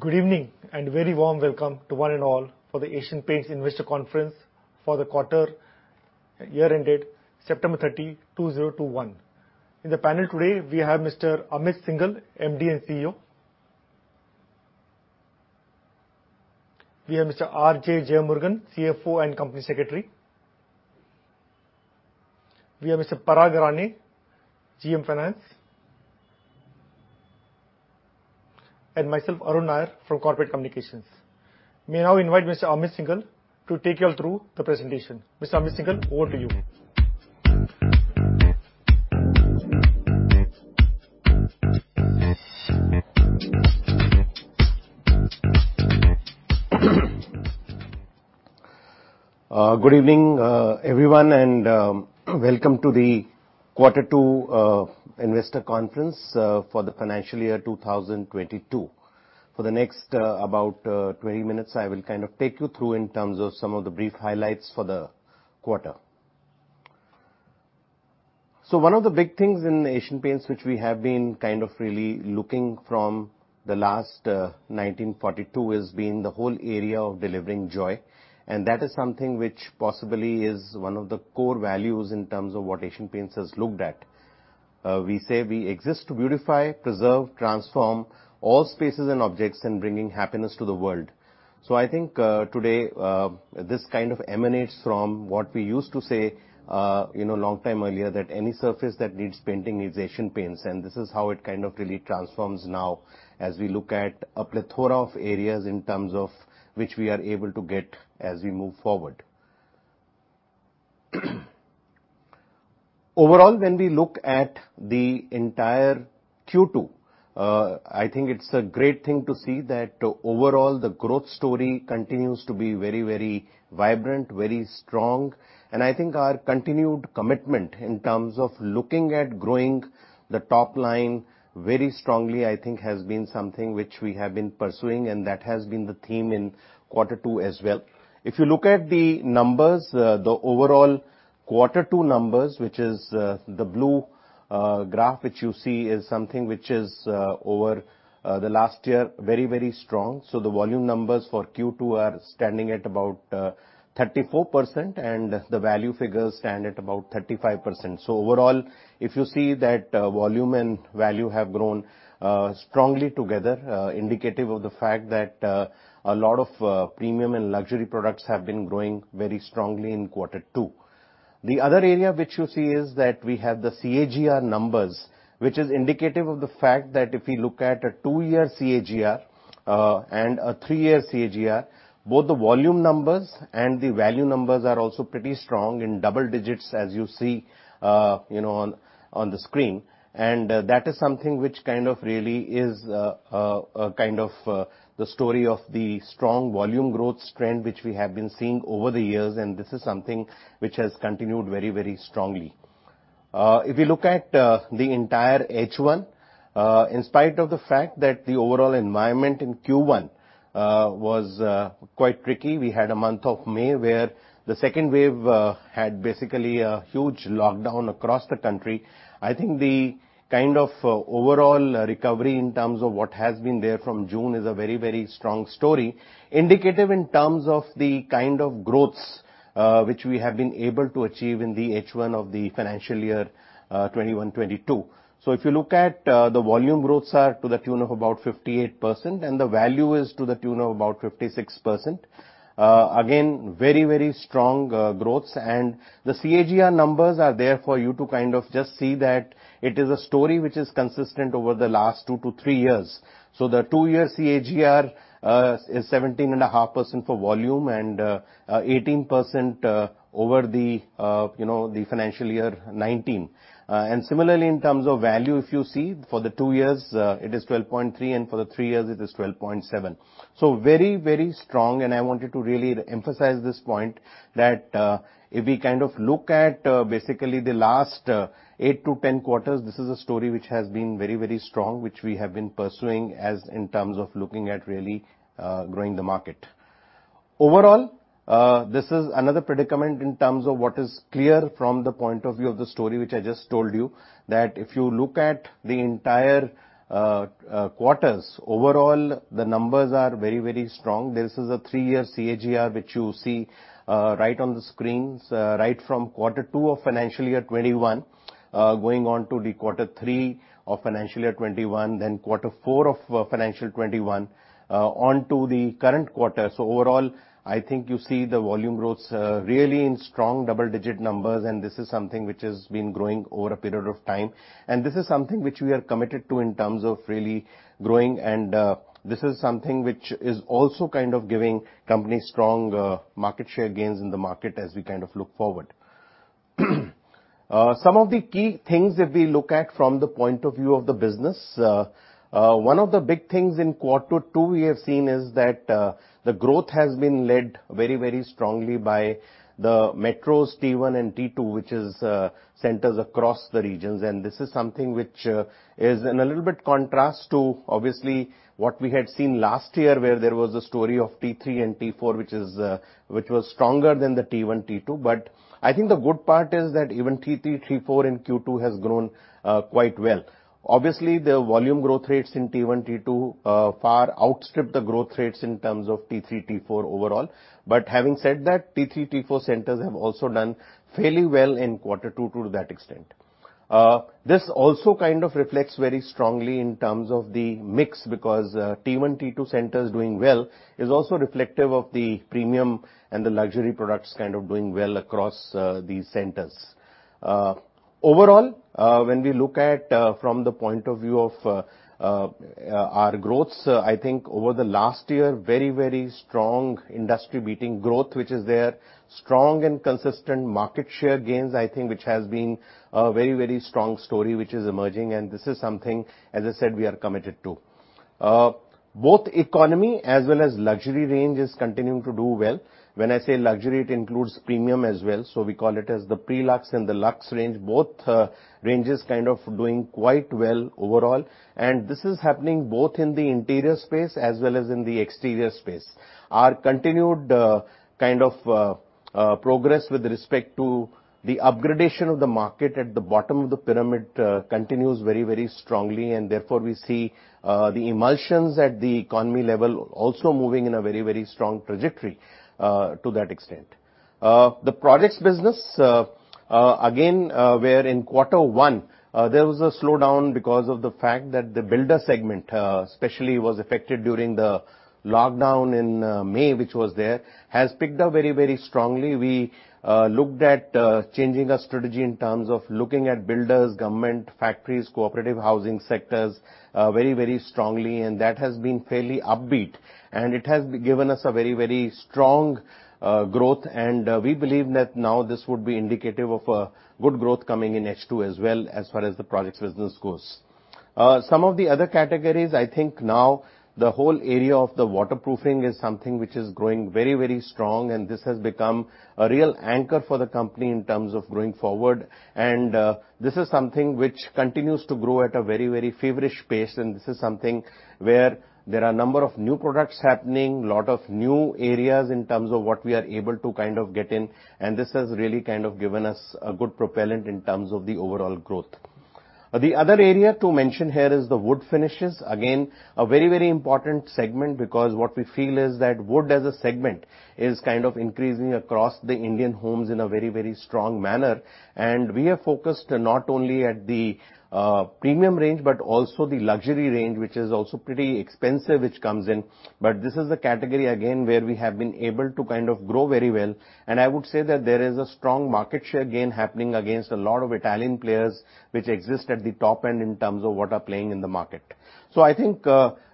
Good evening, and a very warm welcome to one and all for the Asian Paints Investor Conference for the quarter year-ended September 30, 2021. In the panel today, we have Mr. Amit Syngle, MD and CEO. We have Mr. R. J. Jeyamurugan, CFO and Company Secretary. We have Mr. Parag Rane, AVP - Finance. Myself, Arun Nair, from Corporate Communications. May I now invite Mr. Amit Syngle to take you all through the presentation. Mr. Amit Syngle, over to you. Good evening, everyone, and welcome to the Quarter Two Investor Conference for the financial year 2022. For the next about 20 minutes, I will take you through in terms of some of the brief highlights for the quarter. One of the big things in Asian Paints, which we have been really looking from the last 1942, has been the whole area of delivering joy. That is something which possibly is one of the core values in terms of what Asian Paints has looked at. We say we exist to beautify, preserve, transform all spaces and objects and bringing happiness to the world. I think today, this kind of emanates from what we used to say long time earlier, that any surface that needs painting needs Asian Paints. This is how it really transforms now as we look at a plethora of areas in terms of which we are able to get as we move forward. Overall, when we look at the entire Q2, I think it's a great thing to see that overall the growth story continues to be very, very vibrant, very strong. I think our continued commitment in terms of looking at growing the top line very strongly, I think, has been something which we have been pursuing, and that has been the theme in Q2 as well. If you look at the numbers, the overall Q2 numbers, which is the blue graph which you see is something which is, over the last year, very, very strong. The volume numbers for Q2 are standing at about 34%, and the value figures stand at about 35%. Overall, if you see that volume and value have grown strongly together, indicative of the fact that a lot of premium and luxury products have been growing very strongly in quarter two. The other area which you see is that we have the CAGR numbers, which is indicative of the fact that if we look at a two-year CAGR, and a three-year CAGR, both the volume numbers and the value numbers are also pretty strong in double digits as you see on the screen. That is something which really is the story of the strong volume growth trend, which we have been seeing over the years. This is something which has continued very, very strongly. If you look at the entire H1, in spite of the fact that the overall environment in Q1 was quite tricky. We had a month of May where the second wave had basically a huge lockdown across the country. I think the overall recovery in terms of what has been there from June is a very, very strong story, indicative in terms of the kind of growths which we have been able to achieve in the H1 of the financial year 2021-2022. If you look at the volume growths are to the tune of about 58%, and the value is to the tune of about 56%. Again, very, very strong growths. The CAGR numbers are there for you to just see that it is a story which is consistent over the last two-three years. The two-year CAGR is 17.5% for volume and 18% over the financial year 2019. Similarly, in terms of value, if you see, for the two years, it is 12.3%, and for the three years, it is 12.7%. Very, very strong, and I wanted to really emphasize this point that if we look at basically the last eight to 10 quarters, this is a story which has been very, very strong, which we have been pursuing in terms of looking at really growing the market. Overall, this is another predicament in terms of what is clear from the point of view of the story which I just told you, that if you look at the entire quarters, overall, the numbers are very, very strong. This is a three-year CAGR, which you see right on the screens, right from quarter two of FY 2021, going on to the quarter three of FY 2021, then quarter four of FY 2021, on to the current quarter. Overall, I think you see the volume growth really in strong double-digit numbers, and this is something which has been growing over a period of time. This is something which we are committed to in terms of really growing, and this is something which is also giving company strong market share gains in the market as we look forward. Some of the key things if we look at from the point of view of the business, one of the big things in quarter two we have seen is that the growth has been led very, very strongly by the metros T1 and T2, which is centers across the regions. This is something which is in a little bit contrast to, obviously, what we had seen last year, where there was a story of T3 and T4, which was stronger than the T1, T2. I think the good part is that even T3, T4 in Q2 has grown quite well. Obviously, the volume growth rates in T1, T2 far outstrip the growth rates in terms of T3, T4 overall. Having said that, T3, T4 centers have also done fairly well in quarter two to that extent. This also kind of reflects very strongly in terms of the mix, because T1, T2 centers doing well is also reflective of the premium and the luxury products kind of doing well across these centers. Overall, when we look at from the point of view of our growth, I think over the last year, very strong industry-beating growth, which is there. Strong and consistent market share gains, I think, which has been a very strong story, which is emerging, and this is something, as I said, we are committed to. Both economy as well as luxury range is continuing to do well. When I say luxury, it includes premium as well. We call it as the pre-luxe and the luxe range. Both ranges kind of doing quite well overall. This is happening both in the interior space as well as in the exterior space. Our continued kind of progress with respect to the upgradation of the market at the bottom of the pyramid continues very strongly, and therefore, we see the emulsions at the economy level also moving in a very strong trajectory to that extent. The products business, again, where in quarter 1, there was a slowdown because of the fact that the builder segment especially was affected during the lockdown in May, which was there, has picked up very strongly. We looked at changing our strategy in terms of looking at builders, government, factories, cooperative housing sectors very strongly, and that has been fairly upbeat. It has given us a very strong growth, and we believe that now this would be indicative of a good growth coming in H2 as well, as far as the products business goes. Some of the other categories, I think now the whole area of the waterproofing is something which is growing very strong, and this has become a real anchor for the company in terms of going forward. This is something which continues to grow at a very feverish pace. This is something where there are a number of new products happening, lot of new areas in terms of what we are able to get in. This has really given us a good propellant in terms of the overall growth. The other area to mention here is the Wood Finishes. A very important segment because what we feel is that wood as a segment is kind of increasing across the Indian homes in a very strong manner. We are focused not only at the premium range, but also the luxury range, which is also pretty expensive, which comes in. This is a category, again, where we have been able to grow very well. I would say that there is a strong market share gain happening against a lot of Italian players, which exist at the top end in terms of what are playing in the market. I think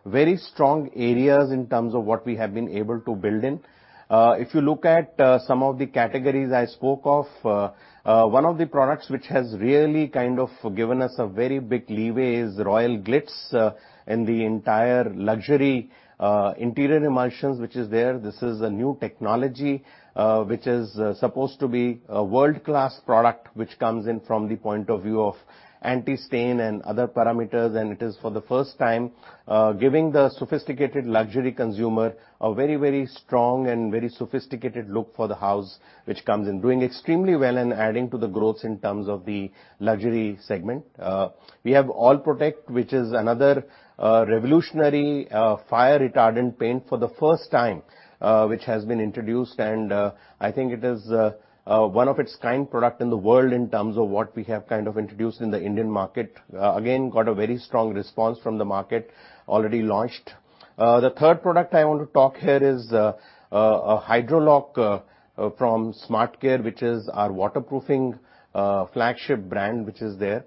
very strong areas in terms of what we have been able to build in. If you look at some of the categories I spoke of, one of the products which has really kind of given us a very big leeway is Royale Glitz in the entire luxury interior emulsions, which is there. This is a new technology, which is supposed to be a world-class product, which comes in from the point of view of anti-stain and other parameters. It is for the first time, giving the sophisticated luxury consumer a very strong and very sophisticated look for the house, which comes in doing extremely well and adding to the growth in terms of the luxury segment. We have Apcolite All Protek, which is another revolutionary fire-retardant paint for the first time, which has been introduced. I think it is one of its kind product in the world in terms of what we have introduced in the Indian market. Again, got a very strong response from the market, already launched. The third product I want to talk here is Hydroloc from SmartCare, which is our waterproofing flagship brand, which is there.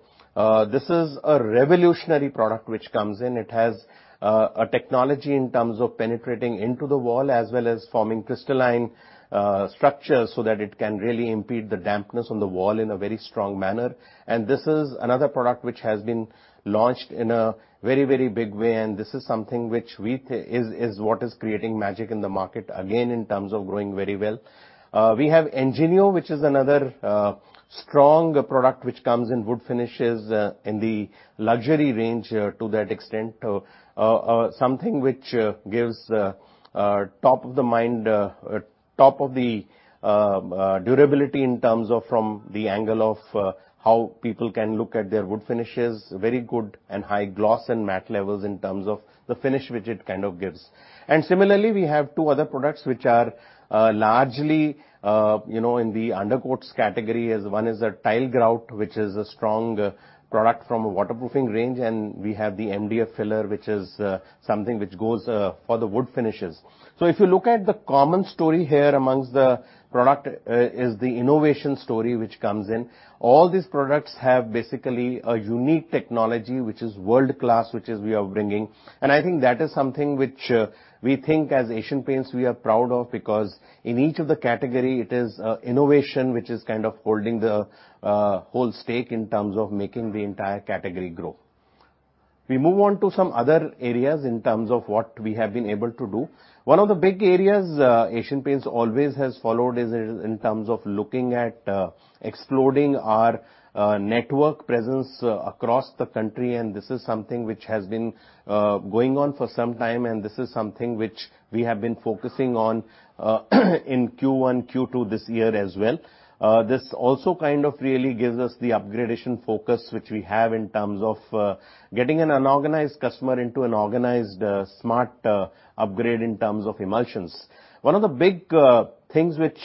This is a revolutionary product which comes in. It has a technology in terms of penetrating into the wall as well as forming crystalline structure so that it can really impede the dampness on the wall in a very strong manner. This is another product which has been launched in a very big way, and this is something which is what is creating magic in the market, again, in terms of growing very well. We have Ingenio, which is another strong product which comes in wood finishes in the luxury range to that extent. Something which gives top of the durability in terms of from the angle of how people can look at their wood finishes. Very good and high gloss and matte levels in terms of the finish which it kind of gives. Similarly, we have two other products which are largely in the undercoats category. One is a tile grout, which is a strong product from a waterproofing range, and we have the MDF filler, which is something which goes for the wood finishes. If you look at the common story here amongst the product is the innovation story which comes in. All these products have basically a unique technology, which is world-class, which is we are bringing. I think that is something which we think as Asian Paints we are proud of because in each of the category, it is innovation, which is kind of holding the whole stake in terms of making the entire category grow. We move on to some other areas in terms of what we have been able to do. One of the big areas Asian Paints always has followed is in terms of looking at exploding our network presence across the country. This is something which has been going on for some time, and this is something which we have been focusing on in Q1, Q2 this year as well. This also kind of really gives us the upgradation focus which we have in terms of getting an unorganized customer into an organized smart upgrade in terms of emulsions. One of the big things which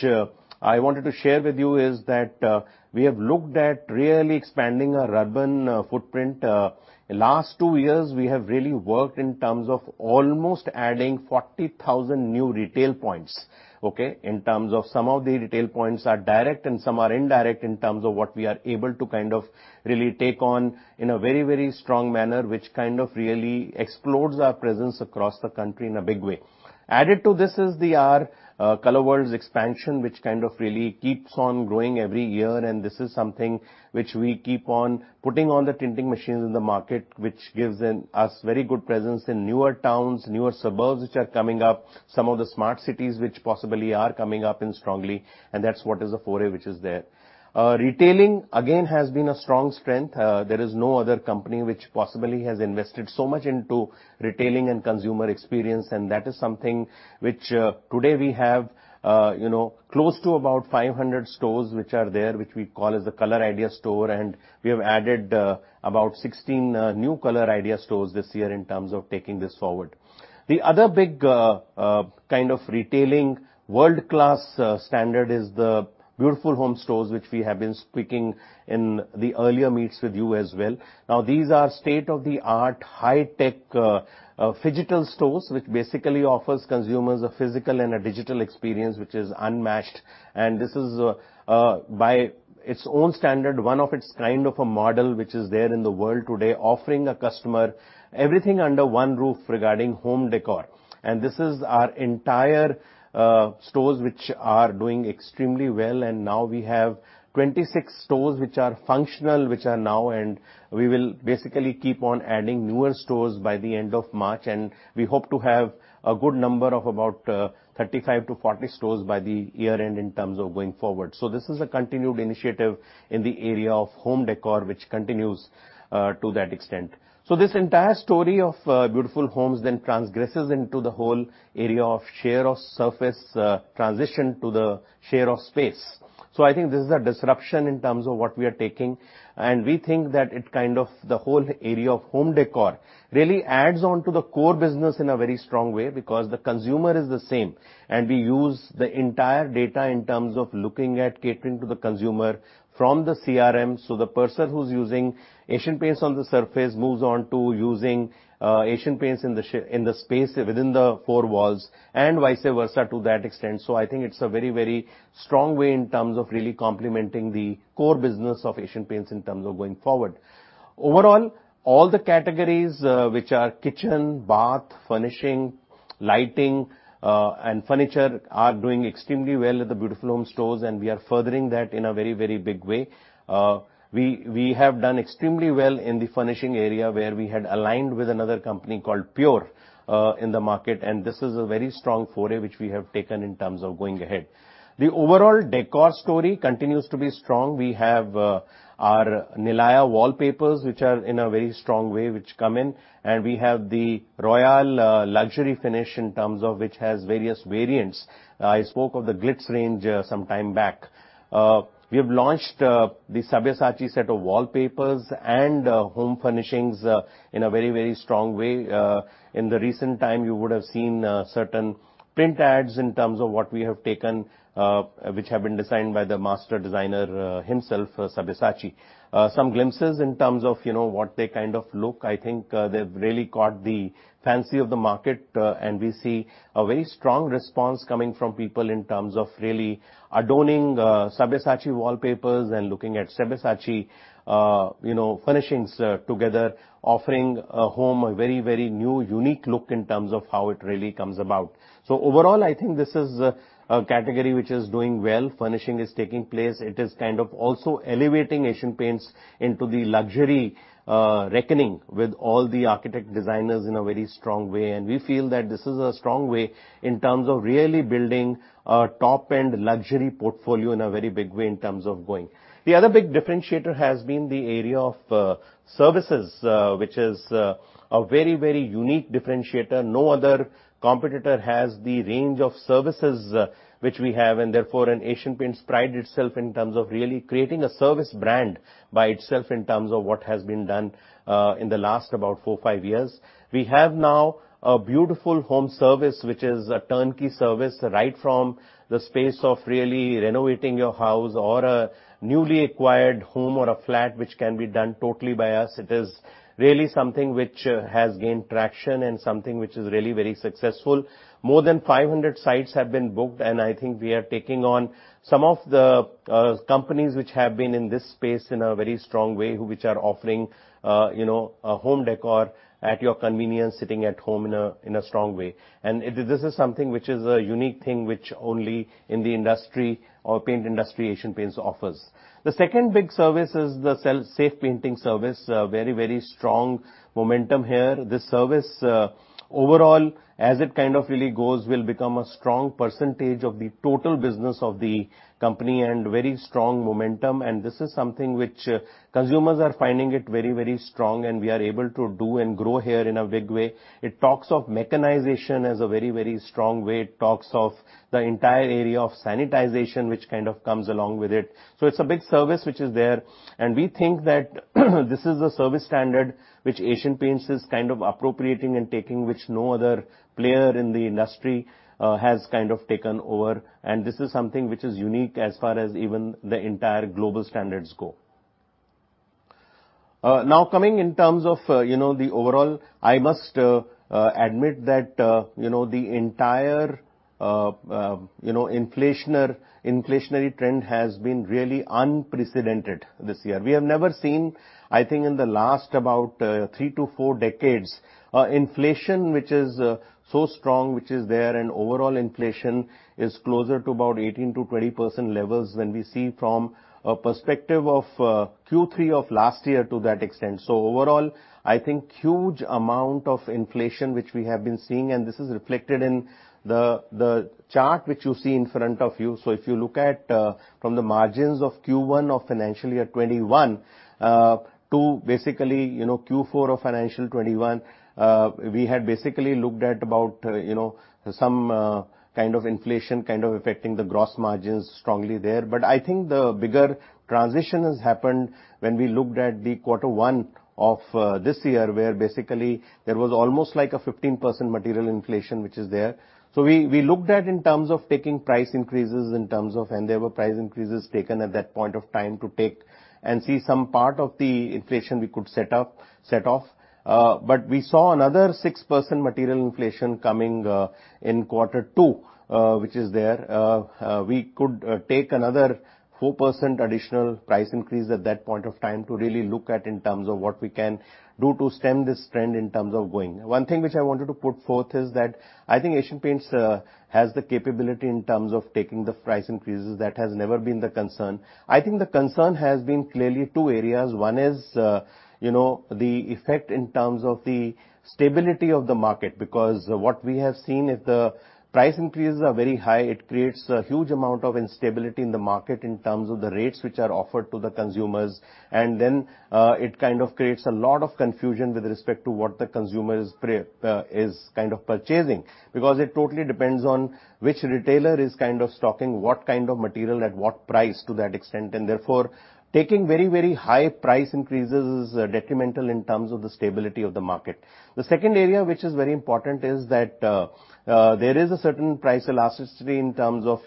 I wanted to share with you is that we have looked at really expanding our urban footprint. Last two years, we have really worked in terms of almost adding 40,000 new retail points. Okay? In terms of some of the retail points are direct and some are indirect in terms of what we are able to kind of really take on in a very strong manner, which kind of really explodes our presence across the country in a big way. Added to this is our Colour World's expansion, which kind of really keeps on growing every year. This is something which we keep on putting all the tinting machines in the market, which gives us very good presence in newer towns, newer suburbs, which are coming up, some of the smart cities which possibly are coming up and strongly. That's what is the foray, which is there. Retailing, again, has been a strong strength. There is no other company which possibly has invested so much into retailing and consumer experience, and that is something which today we have close to about 500 stores which are there, which we call as the Colour Ideas store, and we have added about 16 new Colour Ideas stores this year in terms of taking this forward. The other big kind of retailing world-class standard is the Beautiful Homes stores, which we have been speaking in the earlier meets with you as well. These are state-of-the-art, high-tech phygital stores, which basically offers consumers a physical and a digital experience which is unmatched. This is, by its own standard, one of its kind of a model which is there in the world today, offering a customer everything under one roof regarding home decor. This is our entire stores which are doing extremely well. Now we have 26 stores which are functional. We will basically keep on adding newer stores by the end of March, and we hope to have a good number of about 35-40 stores by the year-end in terms of going forward. This is a continued initiative in the area of home decor, which continues to that extent. This entire story of Beautiful Homes then transgresses into the whole area of share of surface transition to the share of space. I think this is a disruption in terms of what we are taking, and we think that it kind of the whole area of home decor really adds on to the core business in a very strong way because the consumer is the same. We use the entire data in terms of looking at catering to the consumer from the CRM. The person who's using Asian Paints on the surface moves on to using Asian Paints in the space within the four walls and vice versa to that extent. I think it's a very strong way in terms of really complementing the core business of Asian Paints in terms of going forward. Overall, all the categories, which are kitchen, bath, furnishing, lighting, and furniture, are doing extremely well at the Beautiful Home stores, and we are furthering that in a very big way. We have done extremely well in the furnishing area where we had aligned with another company called The Pure Concept in the market. This is a very strong foray which we have taken in terms of going ahead. The overall decor story continues to be strong. We have our Nilaya wallpapers, which are in a very strong way, which come in. We have the Royale luxury finish in terms of which has various variants. I spoke of the Glitz range some time back. We have launched the Sabyasachi set of wallpapers and home furnishings in a very strong way. In the recent time, you would have seen certain print ads in terms of what we have taken, which have been designed by the master designer himself, Sabyasachi. Some glimpses in terms of what they kind of look. I think they've really caught the fancy of the market. We see a very strong response coming from people in terms of really adorning Sabyasachi wallpapers and looking at Sabyasachi furnishings together, offering a home a very new, unique look in terms of how it really comes about. Overall, I think this is a category which is doing well. Furnishing is taking place. It is kind of also elevating Asian Paints into the luxury reckoning with all the architect designers in a very strong way. We feel that this is a strong way in terms of really building a top-end luxury portfolio in a very big way in terms of going. The other big differentiator has been the area of services, which is a very unique differentiator. No other competitor has the range of services which we have. Therefore, Asian Paints prided itself in terms of really creating a service brand by itself in terms of what has been done in the last about four to five years. We have now a Beautiful Home Service, which is a turnkey service, right from the space of really renovating your house or a newly acquired home or a flat, which can be done totally by us. It is really something which has gained traction and something which is really very successful. More than 500 sites have been booked. I think we are taking on some of the companies which have been in this space in a very strong way, which are offering a home decor at your convenience, sitting at home in a strong way. This is something which is a unique thing, which only in the industry or paint industry Asian Paints offers. The second big service is the Safe Painting Service. Very strong momentum here. This service, overall, as it kind of really goes, will become a strong percentage of the total business of the company and very strong momentum. This is something which consumers are finding it very strong, and we are able to do and grow here in a big way. It talks of mechanization as a very strong way. It talks of the entire area of sanitization, which kind of comes along with it. It's a big service which is there, and we think that this is the service standard which Asian Paints is kind of appropriating and taking, which no other player in the industry has kind of taken over, and this is something which is unique as far as even the entire global standards go. Coming in terms of the overall, I must admit that the entire inflationary trend has been really unprecedented this year. We have never seen, I think, in the last about three to four decades, inflation which is so strong, which is there, and overall inflation is closer to about 18%-20% levels when we see from a perspective of Q3 of last year to that extent. Overall, I think huge amount of inflation, which we have been seeing, and this is reflected in the chart which you see in front of you. If you look at from the margins of Q1 of FY 2021 to basically Q4 of FY 2021, we had basically looked at about some kind of inflation kind of affecting the gross margins strongly there. I think the bigger transition has happened when we looked at the Q1 of this year, where basically there was almost like a 15% material inflation, which is there. We looked at in terms of taking price increases, and there were price increases taken at that point of time to take and see some part of the inflation we could set off. We saw another 6% material inflation coming in Q2, which is there. We could take another 4% additional price increase at that point of time to really look at in terms of what we can do to stem this trend in terms of going. One thing which I wanted to put forth is that I think Asian Paints has the capability in terms of taking the price increases. That has never been the concern. I think the concern has been clearly two areas. One is the effect in terms of the stability of the market, because what we have seen is the price increases are very high. It creates a huge amount of instability in the market in terms of the rates which are offered to the consumers, and then it kind of creates a lot of confusion with respect to what the consumer is purchasing, because it totally depends on which retailer is stocking what kind of material at what price to that extent. Therefore, taking very high price increases is detrimental in terms of the stability of the market. The second area, which is very important, is that there is a certain price elasticity in terms of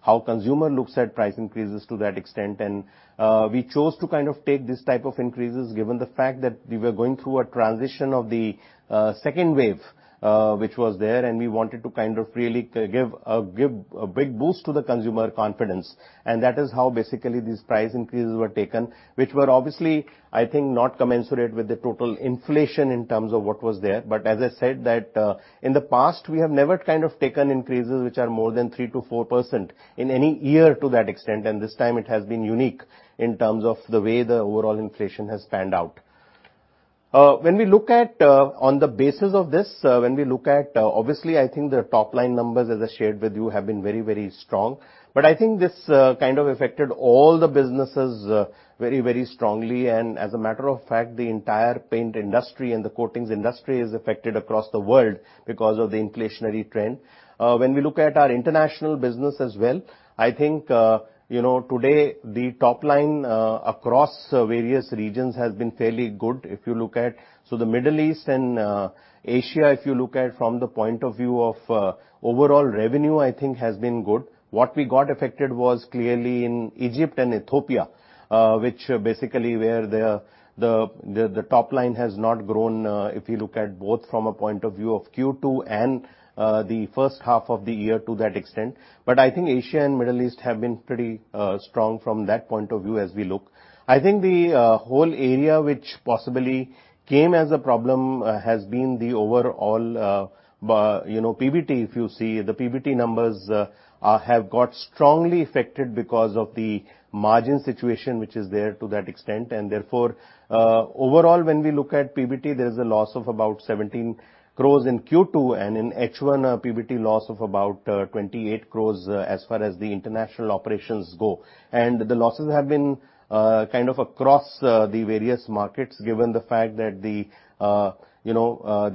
how consumer looks at price increases to that extent. We chose to take these type of increases given the fact that we were going through a transition of the second wave, which was there, and we wanted to kind of really give a big boost to the consumer confidence. That is how basically these price increases were taken, which were obviously, I think, not commensurate with the total inflation in terms of what was there. As I said that in the past, we have never taken increases, which are more than 3%-4% in any year to that extent. This time it has been unique in terms of the way the overall inflation has panned out. On the basis of this, when we look at, obviously, I think the top line numbers as I shared with you have been very strong. I think this kind of affected all the businesses very strongly. As a matter of fact, the entire paint industry and the coatings industry is affected across the world because of the inflationary trend. When we look at our international business as well, I think today the top line across various regions has been fairly good. If you look at the Middle East and Asia, if you look at from the point of view of overall revenue, I think has been good. What we got affected was clearly in Egypt and Ethiopia, which basically where the top line has not grown, if you look at both from a point of view of Q2 and the first half of the year to that extent. I think Asia and Middle East have been pretty strong from that point of view as we look. I think the whole area, which possibly came as a problem, has been the overall PBT. If you see, the PBT numbers have got strongly affected because of the margin situation, which is there to that extent. Therefore, overall, when we look at PBT, there is a loss of about 17 crores in Q2, and in H1, a PBT loss of about 28 crores as far as the international operations go. The losses have been kind of across the various markets, given the fact that the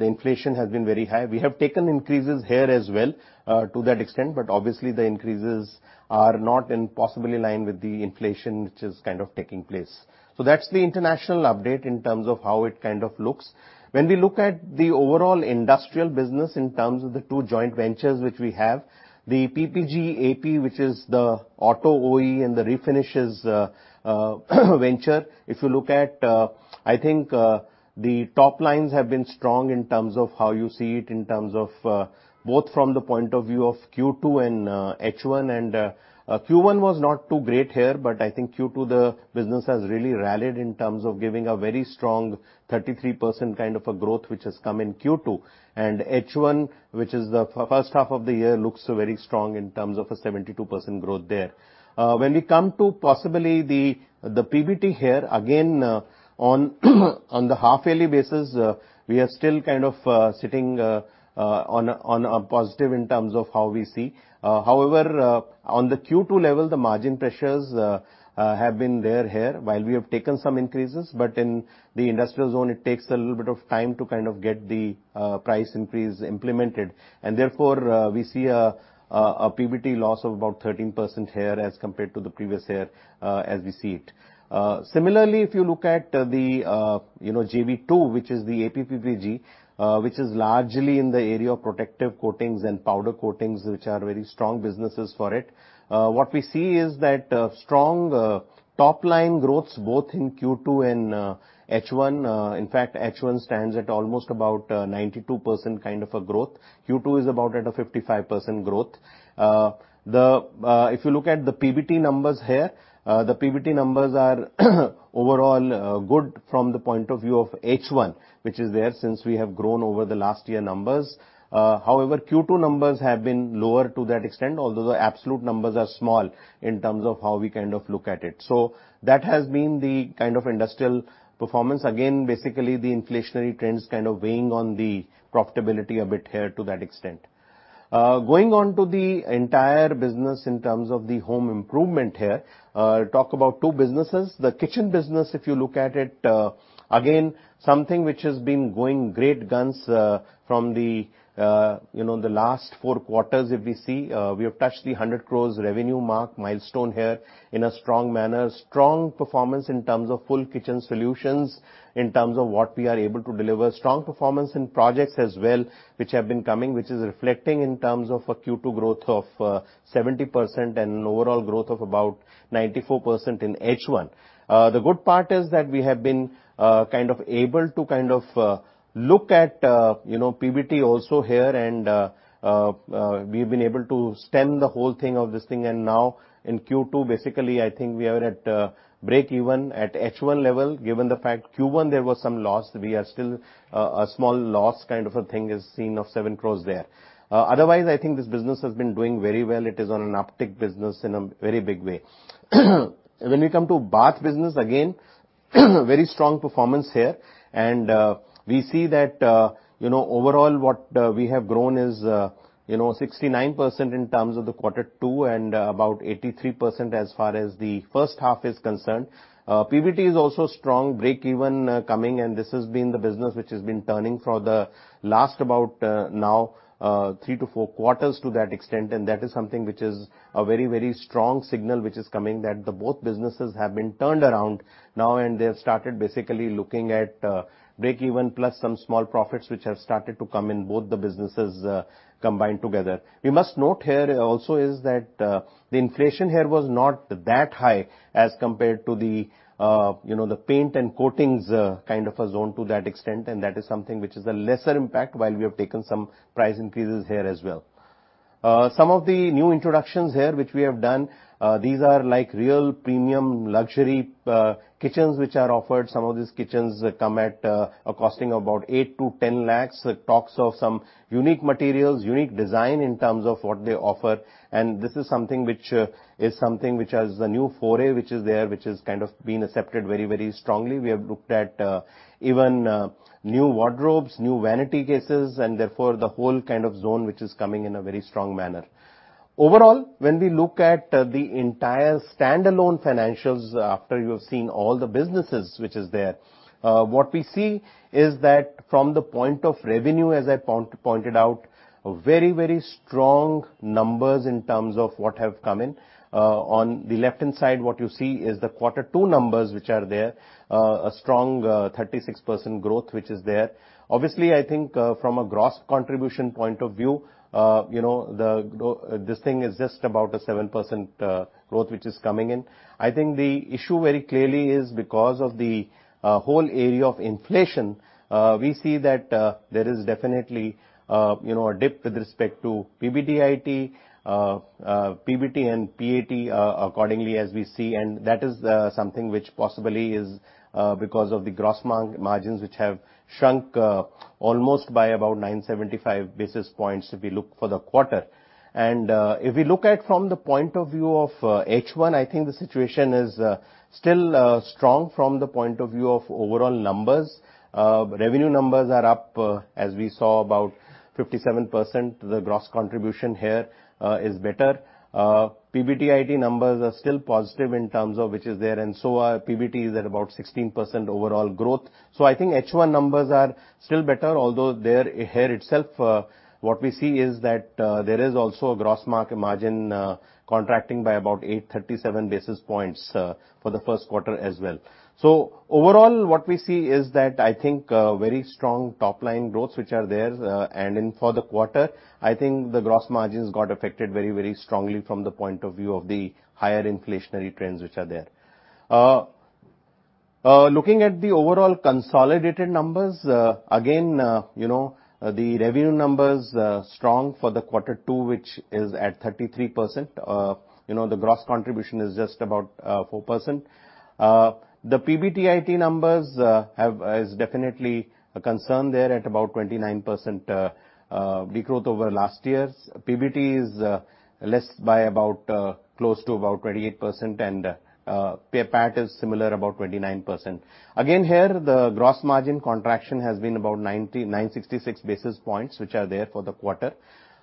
inflation has been very high. We have taken increases here as well to that extent, but obviously, the increases are not in possibly line with the inflation, which is kind of taking place. That's the international update in terms of how it kind of looks. When we look at the overall industrial business in terms of the two joint ventures, which we have, the PPG AP, which is the auto OE, and the Refinishes venture. If you look at, I think the top lines have been strong in terms of how you see it, in terms of both from the point of view of Q2 and H1. Q1 was not too great here, but I think Q2, the business has really rallied in terms of giving a very strong 33% kind of a growth, which has come in Q2. H1, which is the first half of the year, looks very strong in terms of a 72% growth there. When we come to possibly the PBT here, again, on the half-yearly basis, we are still kind of sitting on a positive in terms of how we see. However, on the Q2 level, the margin pressures have been there here while we have taken some increases, but in the industrial zone, it takes a little bit of time to get the price increase implemented. Therefore, we see a PBT loss of about 13% here as compared to the previous year as we see it. Similarly, if you look at the JV2, which is the Asian Paints PPG which is largely in the area of protective coatings and powder coatings, which are very strong businesses for it. What we see is that strong top-line growths both in Q2 and H1. In fact, H1 stands at almost about 92% kind of a growth. Q2 is about at a 55% growth. If you look at the PBT numbers here, the PBT numbers are overall good from the point of view of H1, which is there since we have grown over the last year numbers. However, Q2 numbers have been lower to that extent, although the absolute numbers are small in terms of how we kind of look at it. That has been the kind of industrial performance. Again, basically, the inflationary trends kind of weighing on the profitability a bit here to that extent. Going on to the entire business in terms of the home improvement here, talk about two businesses. The kitchen business, if you look at it, again, something which has been going great guns from the last four quarters, if we see. We have touched the 100 crore revenue mark milestone here in a strong manner. Strong performance in terms of full kitchen solutions, in terms of what we are able to deliver. Strong performance in projects as well, which have been coming, which is reflecting in terms of a Q2 growth of 70% and an overall growth of about 94% in H1. The good part is that we have been kind of able to look at PBT also here, and we've been able to stem the whole thing of this thing, and now in Q2, basically, I think we are at breakeven at H1 level, given the fact Q1 there was some loss. We are still a small loss kind of a thing is seen of 7 crores there. Otherwise, I think this business has been doing very well. It is on an uptick business in a very big way. When we come to bath business, again, very strong performance here. We see that overall what we have grown is 69% in terms of the quarter two and about 83% as far as the first half is concerned. PBT is also strong, breakeven coming, and this has been the business which has been turning for the last about, now, three to four quarters to that extent. That is something which is a very strong signal which is coming that both businesses have been turned around now and they have started basically looking at breakeven plus some small profits which have started to come in both the businesses combined together. We must note here also is that the inflation here was not that high as compared to the paint and coatings kind of a zone to that extent, and that is something which is a lesser impact while we have taken some price increases here as well. Some of the new introductions here which we have done, these are like real premium luxury kitchens which are offered. Some of these kitchens come at a costing of about 8 lakhs-10 lakhs. It talks of some unique materials, unique design in terms of what they offer. This is something which is a new foray which is there, which has kind of been accepted very strongly. We have looked at even new wardrobes, new vanity cases, and therefore the whole kind of zone which is coming in a very strong manner. Overall, when we look at the entire standalone financials after you have seen all the businesses which is there, what we see is that from the point of revenue, as I pointed out, very strong numbers in terms of what have come in. On the left-hand side, what you see is the quarter two numbers which are there. A strong 36% growth which is there. I think from a gross contribution point of view, this thing is just about a 7% growth which is coming in. I think the issue very clearly is because of the whole area of inflation. We see that there is definitely a dip with respect to PBDIT, PBT and PAT accordingly as we see. That is something which possibly is because of the gross margins which have shrunk almost by about 975 basis points if we look for the quarter. If we look at from the point of view of H1, I think the situation is still strong from the point of view of overall numbers. Revenue numbers are up, as we saw, about 57%. The gross contribution here is better. PBDIT numbers are still positive in terms of which is there, our PBT is at about 16% overall growth. I think H1 numbers are still better, although there itself, what we see is that there is also a gross margin contracting by about 837 basis points for the first quarter as well. Overall, what we see is that I think very strong top-line growths which are there, for the quarter, I think the gross margins got affected very strongly from the point of view of the higher inflationary trends which are there. Looking at the overall consolidated numbers, again, the revenue numbers strong for the quarter two, which is at 33%. The gross contribution is just about 4%. The PBTIT numbers is definitely a concern there at about 29% decline over last year's. PBT is less by about close to about 28%, and PAT is similar, about 29%. Again, here, the gross margin contraction has been about 966 basis points, which are there for the quarter.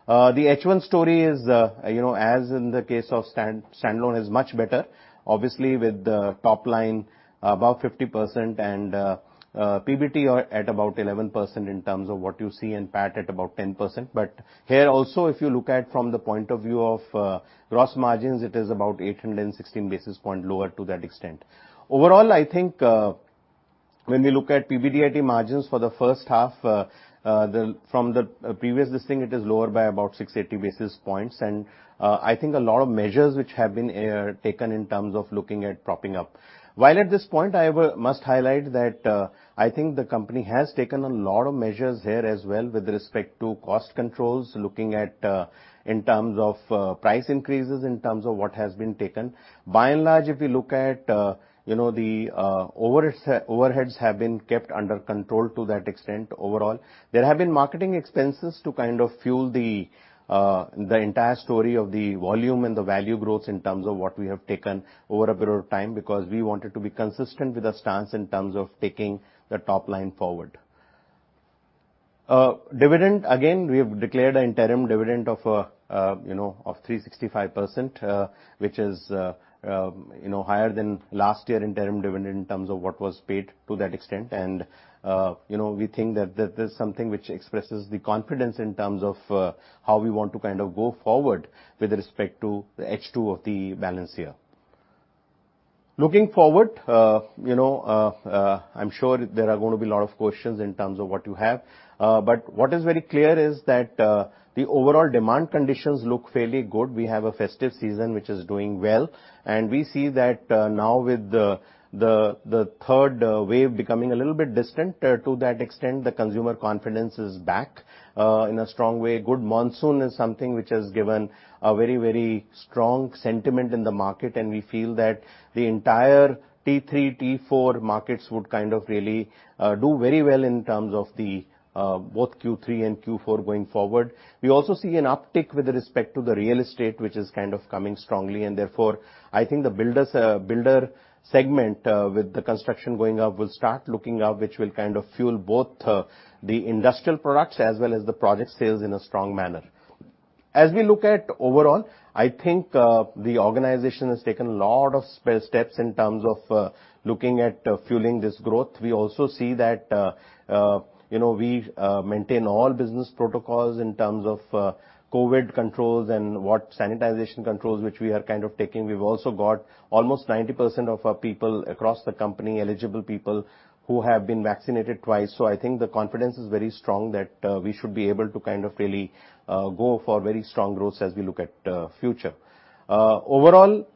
The H1 story is as in the case of standalone is much better. Obviously, with the top line above 50% and PBT are at about 11% in terms of what you see, and PAT at about 10%. Here also, if you look at from the point of view of gross margins, it is about 816 basis points lower to that extent. Overall, I think when we look at PBDIT margins for the first half, from the previous listing, it is lower by about 680 basis points. I think a lot of measures which have been taken in terms of looking at propping up. While at this point, I must highlight that I think the company has taken a lot of measures here as well with respect to cost controls, looking at in terms of price increases, in terms of what has been taken. By and large, if we look at the overheads have been kept under control to that extent overall. There have been marketing expenses to kind of fuel the entire story of the volume and the value growth in terms of what we have taken over a period of time, because we wanted to be consistent with our stance in terms of taking the top line forward. Dividend, again, we have declared an interim dividend of 365%, which is higher than last year interim dividend in terms of what was paid to that extent. We think that there's something which expresses the confidence in terms of how we want to go forward with respect to the H2 of the balance year. Looking forward, I'm sure there are going to be a lot of questions in terms of what you have. What is very clear is that the overall demand conditions look fairly good. We have a festive season, which is doing well, and we see that now with the third wave becoming a little bit distant, to that extent, the consumer confidence is back in a strong way. Good monsoon is something which has given a very strong sentiment in the market, and we feel that the entire T3, T4 markets would kind of really do very well in terms of the both Q3 and Q4 going forward. We also see an uptick with respect to the real estate, which is kind of coming strongly, therefore, I think the builder segment with the construction going up will start looking up, which will kind of fuel both the industrial products as well as the project sales in a strong manner. As we look at overall, I think the organization has taken a lot of steps in terms of looking at fueling this growth. We also see that we maintain all business protocols in terms of COVID controls and what sanitization controls which we are kind of taking. We've also got almost 90% of our people across the company, eligible people, who have been vaccinated twice. I think the confidence is very strong that we should be able to kind of really go for very strong growth as we look at future. Overall,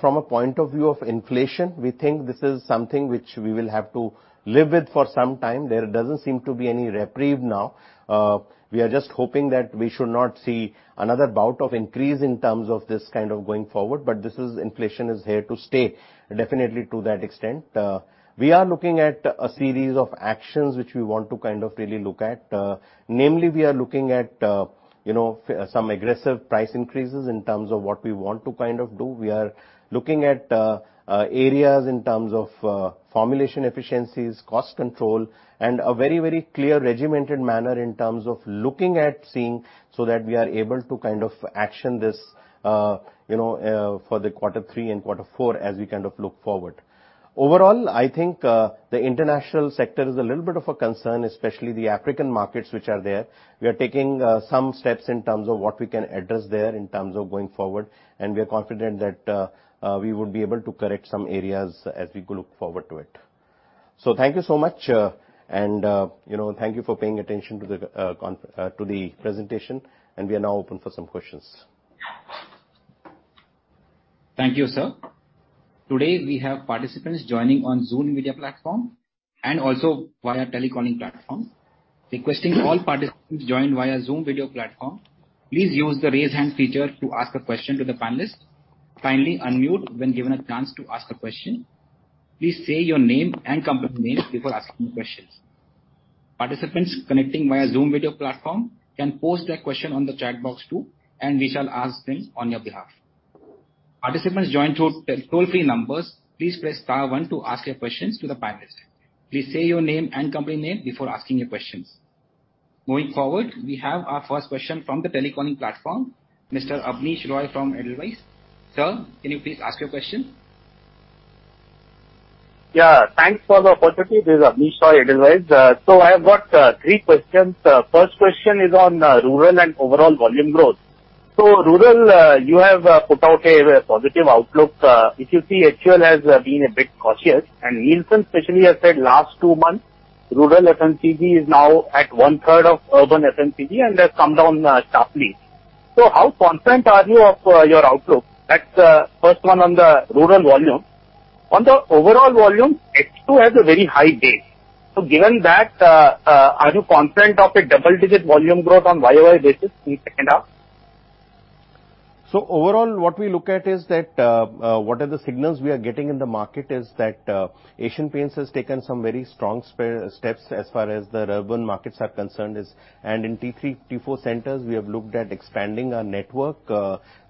from a point of view of inflation, we think this is something which we will have to live with for some time. There doesn't seem to be any reprieve now. We are just hoping that we should not see another bout of increase in terms of this kind of going forward. This inflation is here to stay, definitely to that extent. We are looking at a series of actions which we want to kind of really look at. Namely, we are looking at some aggressive price increases in terms of what we want to kind of do. We are looking at areas in terms of formulation efficiencies, cost control, and a very clear regimented manner in terms of looking at seeing, so that we are able to kind of action this for the quarter three and quarter four as we look forward. Overall, I think the international sector is a little bit of a concern, especially the African markets which are there. We are taking some steps in terms of what we can address there in terms of going forward, and we are confident that we would be able to correct some areas as we look forward to it. Thank you so much, and thank you for paying attention to the presentation, and we are now open for some questions. Thank you, sir. Today, we have participants joining on Zoom media platform and also via teleconning platform. Requesting all participants joined via Zoom video platform, please use the raise hand feature to ask a question to the panelist. Kindly unmute when given a chance to ask a question. Please say your name and company name before asking questions. Participants connecting via Zoom video platform can post their question on the chat box too, and we shall ask them on your behalf. Participants joined through toll-free numbers, please press star one to ask your questions to the panelist. Please say your name and company name before asking your questions. Moving forward, we have our first question from the teleconning platform, Mr. Abneesh Roy from Edelweiss. Sir, can you please ask your question? Yeah. Thanks for the opportunity. This is Abneesh Roy, Edelweiss. I have got three questions. First question is on rural and overall volume growth. Rural, you have put out a very positive outlook. If you see HUL has been a bit cautious and Nielsen especially has said last two months, rural FMCG is now at 1/3 of urban FMCG and has come down sharply. How confident are you of your outlook? That's first one on the rural volume. On the overall volume, H2 has a very high base. Given that, are you confident of a double-digit volume growth on YoY basis in second half? Overall, what we look at is that what are the signals we are getting in the market is that Asian Paints has taken some very strong steps as far as the urban markets are concerned. In T3, T4 centers, we have looked at expanding our network.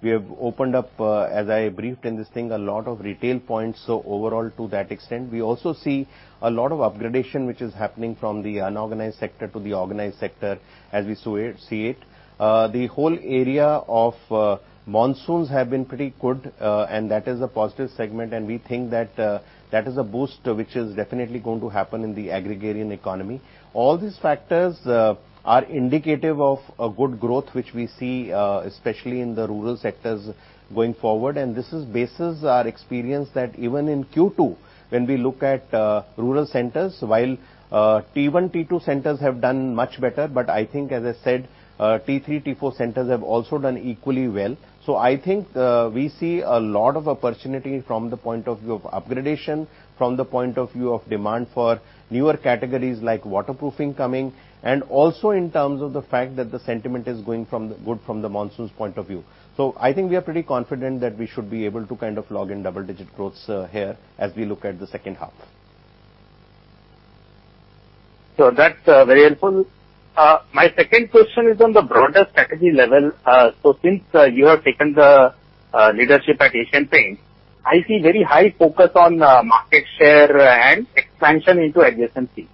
We have opened up, as I briefed in this thing, a lot of retail points. Overall, to that extent, we also see a lot of upgradation, which is happening from the unorganized sector to the organized sector, as we see it. The whole area of monsoons have been pretty good, and that is a positive segment, and we think that that is a boost which is definitely going to happen in the agrarian economy. All these factors are indicative of a good growth, which we see, especially in the rural sectors, going forward. This bases our experience that even in Q2, when we look at rural centers, while T1, T2 centers have done much better, but I think, as I said, T3, T4 centers have also done equally well. I think we see a lot of opportunity from the point of view of upgradation, from the point of view of demand for newer categories like waterproofing coming, and also in terms of the fact that the sentiment is going good from the monsoons point of view. I think we are pretty confident that we should be able to log in double-digit growth here as we look at the second half. That's very helpful. My second question is on the broader strategy level. Since you have taken the leadership at Asian Paints, I see very high focus on market share and expansion into adjacencies.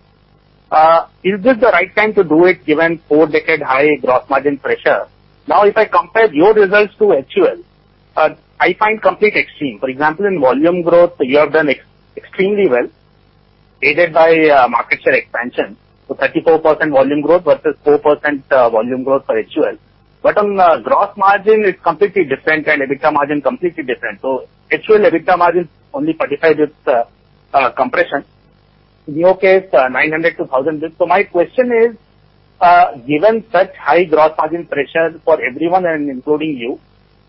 Is this the right time to do it, given four-decade high gross margin pressure? Now, if I compare your results to HUL, I find complete extreme. For example, in volume growth, you have done extremely well, aided by market share expansion. 34% volume growth versus 4% volume growth for HUL. But on gross margin, it's completely different, and EBITDA margin completely different. HUL EBITDA margin, only 35% with compression. In your case, 900-1,000 basis. My question is, given such high gross margin pressure for everyone and including you,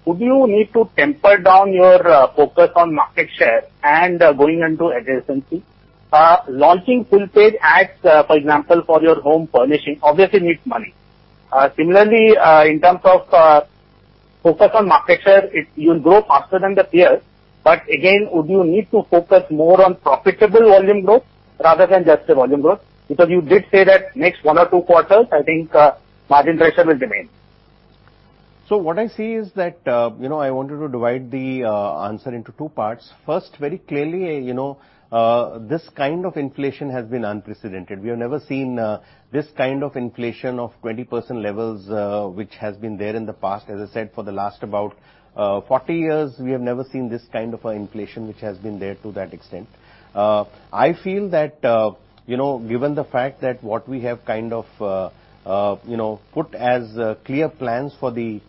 would you need to temper down your focus on market share and going into adjacency? Launching full-page ads, for example, for your home furnishing, obviously needs money. Similarly, in terms of focus on market share, you'll grow faster than the peers. Again, would you need to focus more on profitable volume growth rather than just the volume growth? You did say that next one or two quarters, I think margin pressure will remain. What I see is that I wanted to divide the answer into two parts. First, very clearly, this kind of inflation has been unprecedented. We have never seen this kind of inflation of 20% levels, which has been there in the past. As I said, for the last about 40 years, we have never seen this kind of inflation, which has been there to that extent. I feel that, given the fact that what we have put as clear plans for the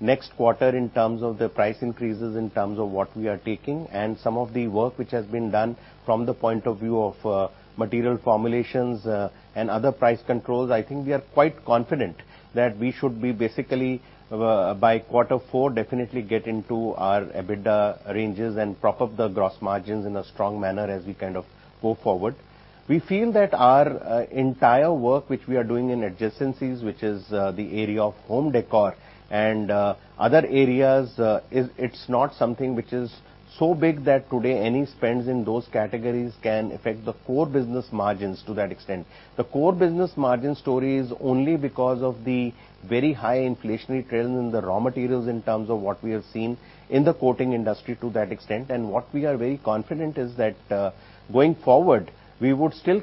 next quarter in terms of the price increases, in terms of what we are taking, and some of the work which has been done from the point of view of material formulations and other price controls, I think we are quite confident that we should be basically, by quarter four, definitely get into our EBITDA ranges and prop up the gross margins in a strong manner as we go forward. We feel that our entire work, which we are doing in adjacencies, which is the area of home decor and other areas, it's not something which is so big that today any spends in those categories can affect the core business margins to that extent. The core business margin story is only because of the very high inflationary trends in the raw materials in terms of what we have seen in the coating industry to that extent. What we are very confident is that going forward, we would still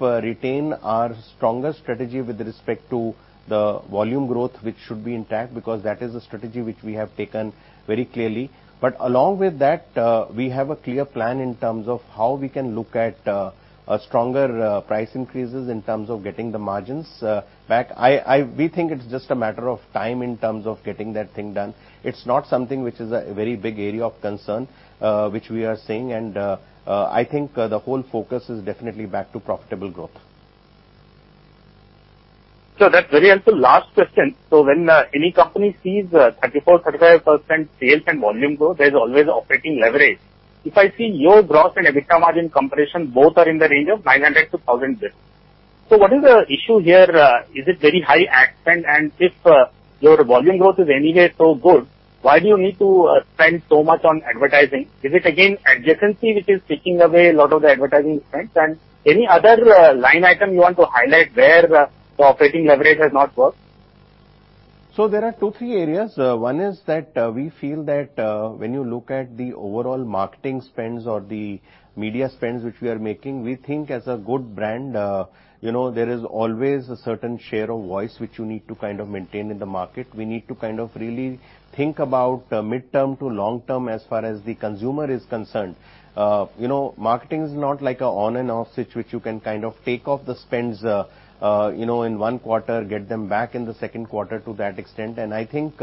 retain our stronger strategy with respect to the volume growth, which should be intact, because that is a strategy which we have taken very clearly. Along with that, we have a clear plan in terms of how we can look at stronger price increases in terms of getting the margins back. We think it's just a matter of time in terms of getting that thing done. It's not something which is a very big area of concern, which we are seeing, and I think the whole focus is definitely back to profitable growth. That's very helpful. Last question. When any company sees 34%-35% sales and volume growth, there's always operating leverage. If I see your gross and EBITDA margin compression, both are in the range of 900-1,000 basis points. What is the issue here? Is it very high ad spend? If your volume growth is anyway so good, why do you need to spend so much on advertising? Is it again, adjacency, which is taking away a lot of the advertising spends? Any other line item you want to highlight where the operating leverage has not worked? There are two, three areas. one is that we feel that when you look at the overall marketing spends or the media spends, which we are making, we think as a good brand, there is always a certain share of voice which you need to maintain in the market. We need to really think about midterm to long term as far as the consumer is concerned. Marketing is not like an on and off switch, which you can take off the spends in one quarter, get them back in the second quarter to that extent. I think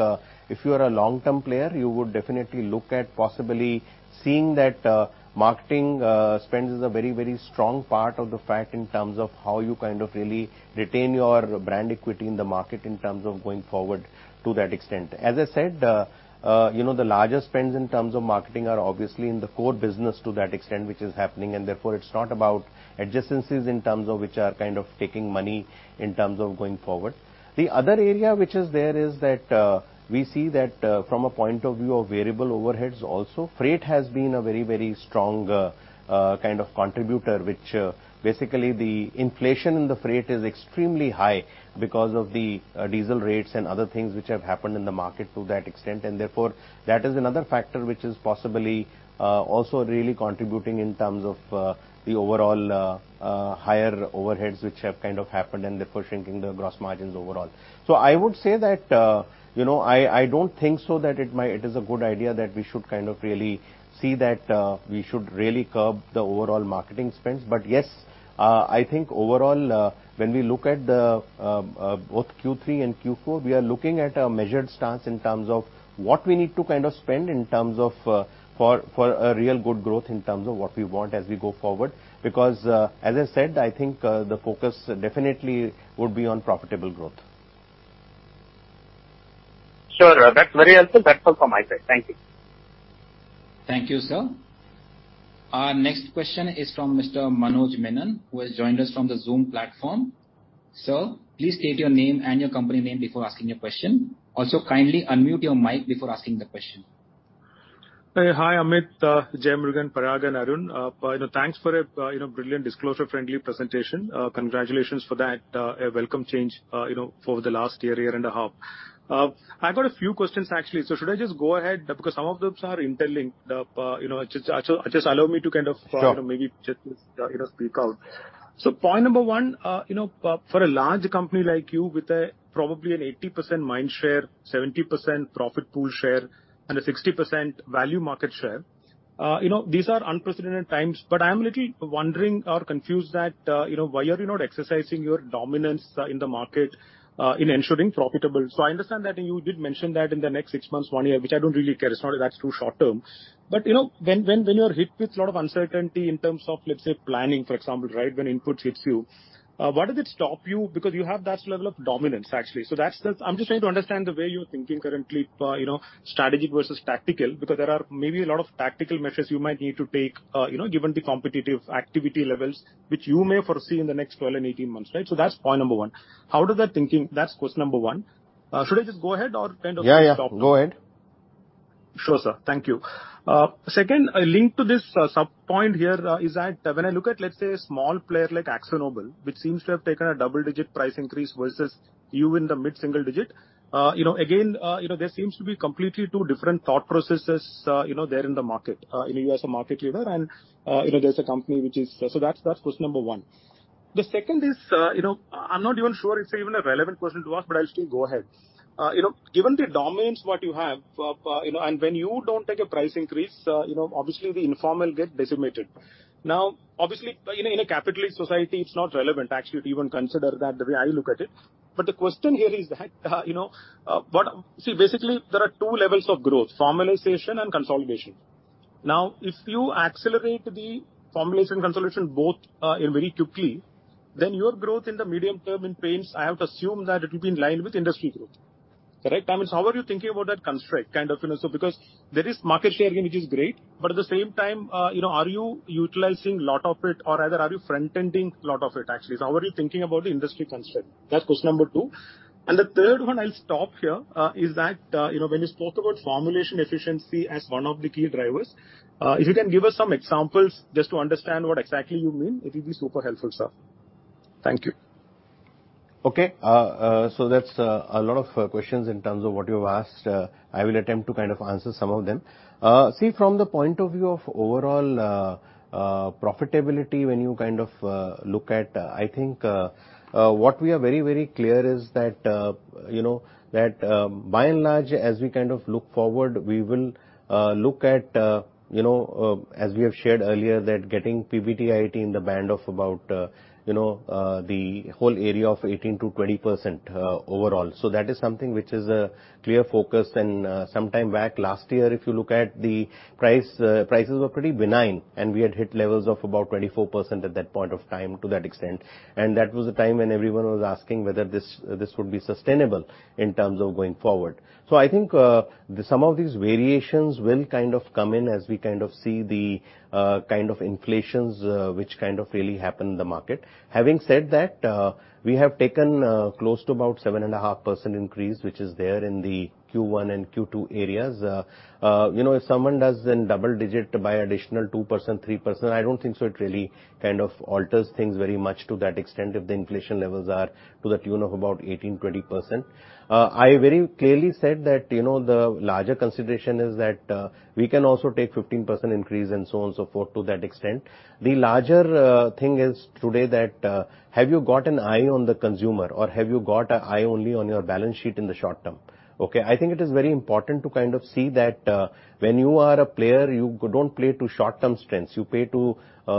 if you are a long-term player, you would definitely look at possibly seeing that marketing spends is a very strong part of the fact in terms of how you really retain your brand equity in the market in terms of going forward to that extent. As I said, the larger spends in terms of marketing are obviously in the core business to that extent, which is happening, and therefore it's not about adjacencies in terms of which are taking money in terms of going forward. The other area, which is there is that, we see that from a point of view of variable overheads also, freight has been a very strong kind of contributor, which basically the inflation in the freight is extremely high because of the diesel rates and other things which have happened in the market to that extent. Therefore, that is another factor which is possibly also really contributing in terms of the overall higher overheads, which have happened and therefore shrinking the gross margins overall. I would say that, I don't think so that it is a good idea that we should really see that we should really curb the overall marketing spends. Yes, I think overall, when we look at both Q3 and Q4, we are looking at a measured stance in terms of what we need to spend in terms of for a real good growth in terms of what we want as we go forward. As I said, I think, the focus definitely would be on profitable growth. Sure. That's very helpful. That's all from my side. Thank you. Thank you, sir. Our next question is from Mr. Manoj Menon, who has joined us from the Zoom platform. Sir, please state your name and your company name before asking your question. Also, kindly unmute your mic before asking the question. Hi, Amit, R. J. Jeyamurugan, Parag and Arun. Thanks for a brilliant disclosure-friendly presentation. Congratulations for that. A welcome change over the last year and a half. I've got a few questions, actually. Should I just go ahead? Some of them are interlinked. Sure maybe just speak out. Point 1, for a large company like you with probably an 80% mind share, 70% profit pool share, and a 60% value market share, these are unprecedented times, but I'm a little wondering or confused that why are you not exercising your dominance in the market, in ensuring profitable. I understand that you did mention that in the next six months, one year, which I don't really care, it's not like that's too short-term. When you are hit with a lot of uncertainty in terms of, let's say, planning, for example, right? When input hits you, why does it stop you? Because you have that level of dominance, actually. I'm just trying to understand the way you're thinking currently, strategic versus tactical, because there are maybe a lot of tactical measures you might need to take given the competitive activity levels which you may foresee in the next 12 and 18 months, right? That's point one. That's question one. Should I just go ahead? Yeah. Go ahead. Sure, sir. Thank you. Second link to this subpoint here is that when I look at, let's say, a small player like AkzoNobel, which seems to have taken a double-digit price increase versus you in the mid-single digit. There seems to be completely two different thought processes there in the market. That's question number one. The second is, I'm not even sure it's even a relevant question to ask, but I'll still go ahead. Given the dominance what you have, and when you don't take a price increase, obviously the informal get decimated. Obviously, in a capitalist society, it's not relevant actually to even consider that the way I look at it. The question here is that, see, basically there are two levels of growth, formalization and consolidation. If you accelerate the formalization consolidation both very quickly, then your growth in the medium term in paints, I have to assume that it will be in line with industry growth. Correct? I mean, how are you thinking about that constraint kind of? There is market share, again, which is great, at the same time, are you utilizing lot of it or rather are you front-ending lot of it, actually? How are you thinking about the industry constraint? That's question number two. The third one, I'll stop here, is that, when you spoke about formulation efficiency as one of the key drivers, if you can give us some examples just to understand what exactly you mean, it will be super helpful, sir. Thank you. Okay. That's a lot of questions in terms of what you have asked. I will attempt to answer some of them. See, from the point of view of overall profitability, when you look at, I think what we are very clear is that, by and large, as we look forward, we will look at, as we have shared earlier, that getting PBDIT in the band of about the whole area of 18%-20% overall. That is something which is a clear focus. Sometime back last year, if you look at the prices were pretty benign, and we had hit levels of about 24% at that point of time, to that extent. That was the time when everyone was asking whether this would be sustainable in terms of going forward. I think some of these variations will come in as we see the kind of inflations which really happen in the market. Having said that, we have taken close to about 7.5% increase, which is there in the Q1 and Q2 areas. If someone does in double-digit by additional 2%, 3%, I don't think so it really alters things very much to that extent if the inflation levels are to the tune of about 18%, 20%. I very clearly said that the larger consideration is that we can also take 15% increase and so on so forth, to that extent. The larger thing is today that, have you got an eye on the consumer or have you got a eye only on your balance sheet in the short term? Okay, I think it is very important to see that when you are a player, you don't play to short-term strengths. You play to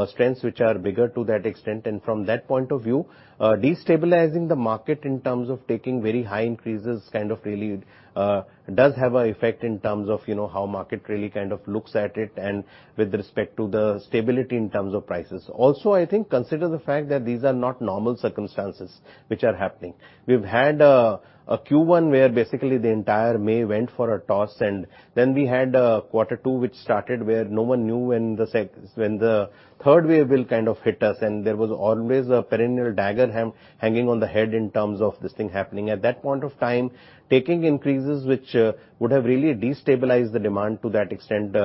strengths which are bigger to that extent. From that point of view, destabilizing the market in terms of taking very high increases really does have a effect in terms of how market really looks at it and with respect to the stability in terms of prices. I think consider the fact that these are not normal circumstances which are happening. We've had a Q1 where basically the entire May went for a toss, and then we had quarter two, which started where no one knew when the third wave will hit us, and there was always a perennial dagger hanging on the head in terms of this thing happening. At that point of time, taking increases which would have really destabilized the demand to that extent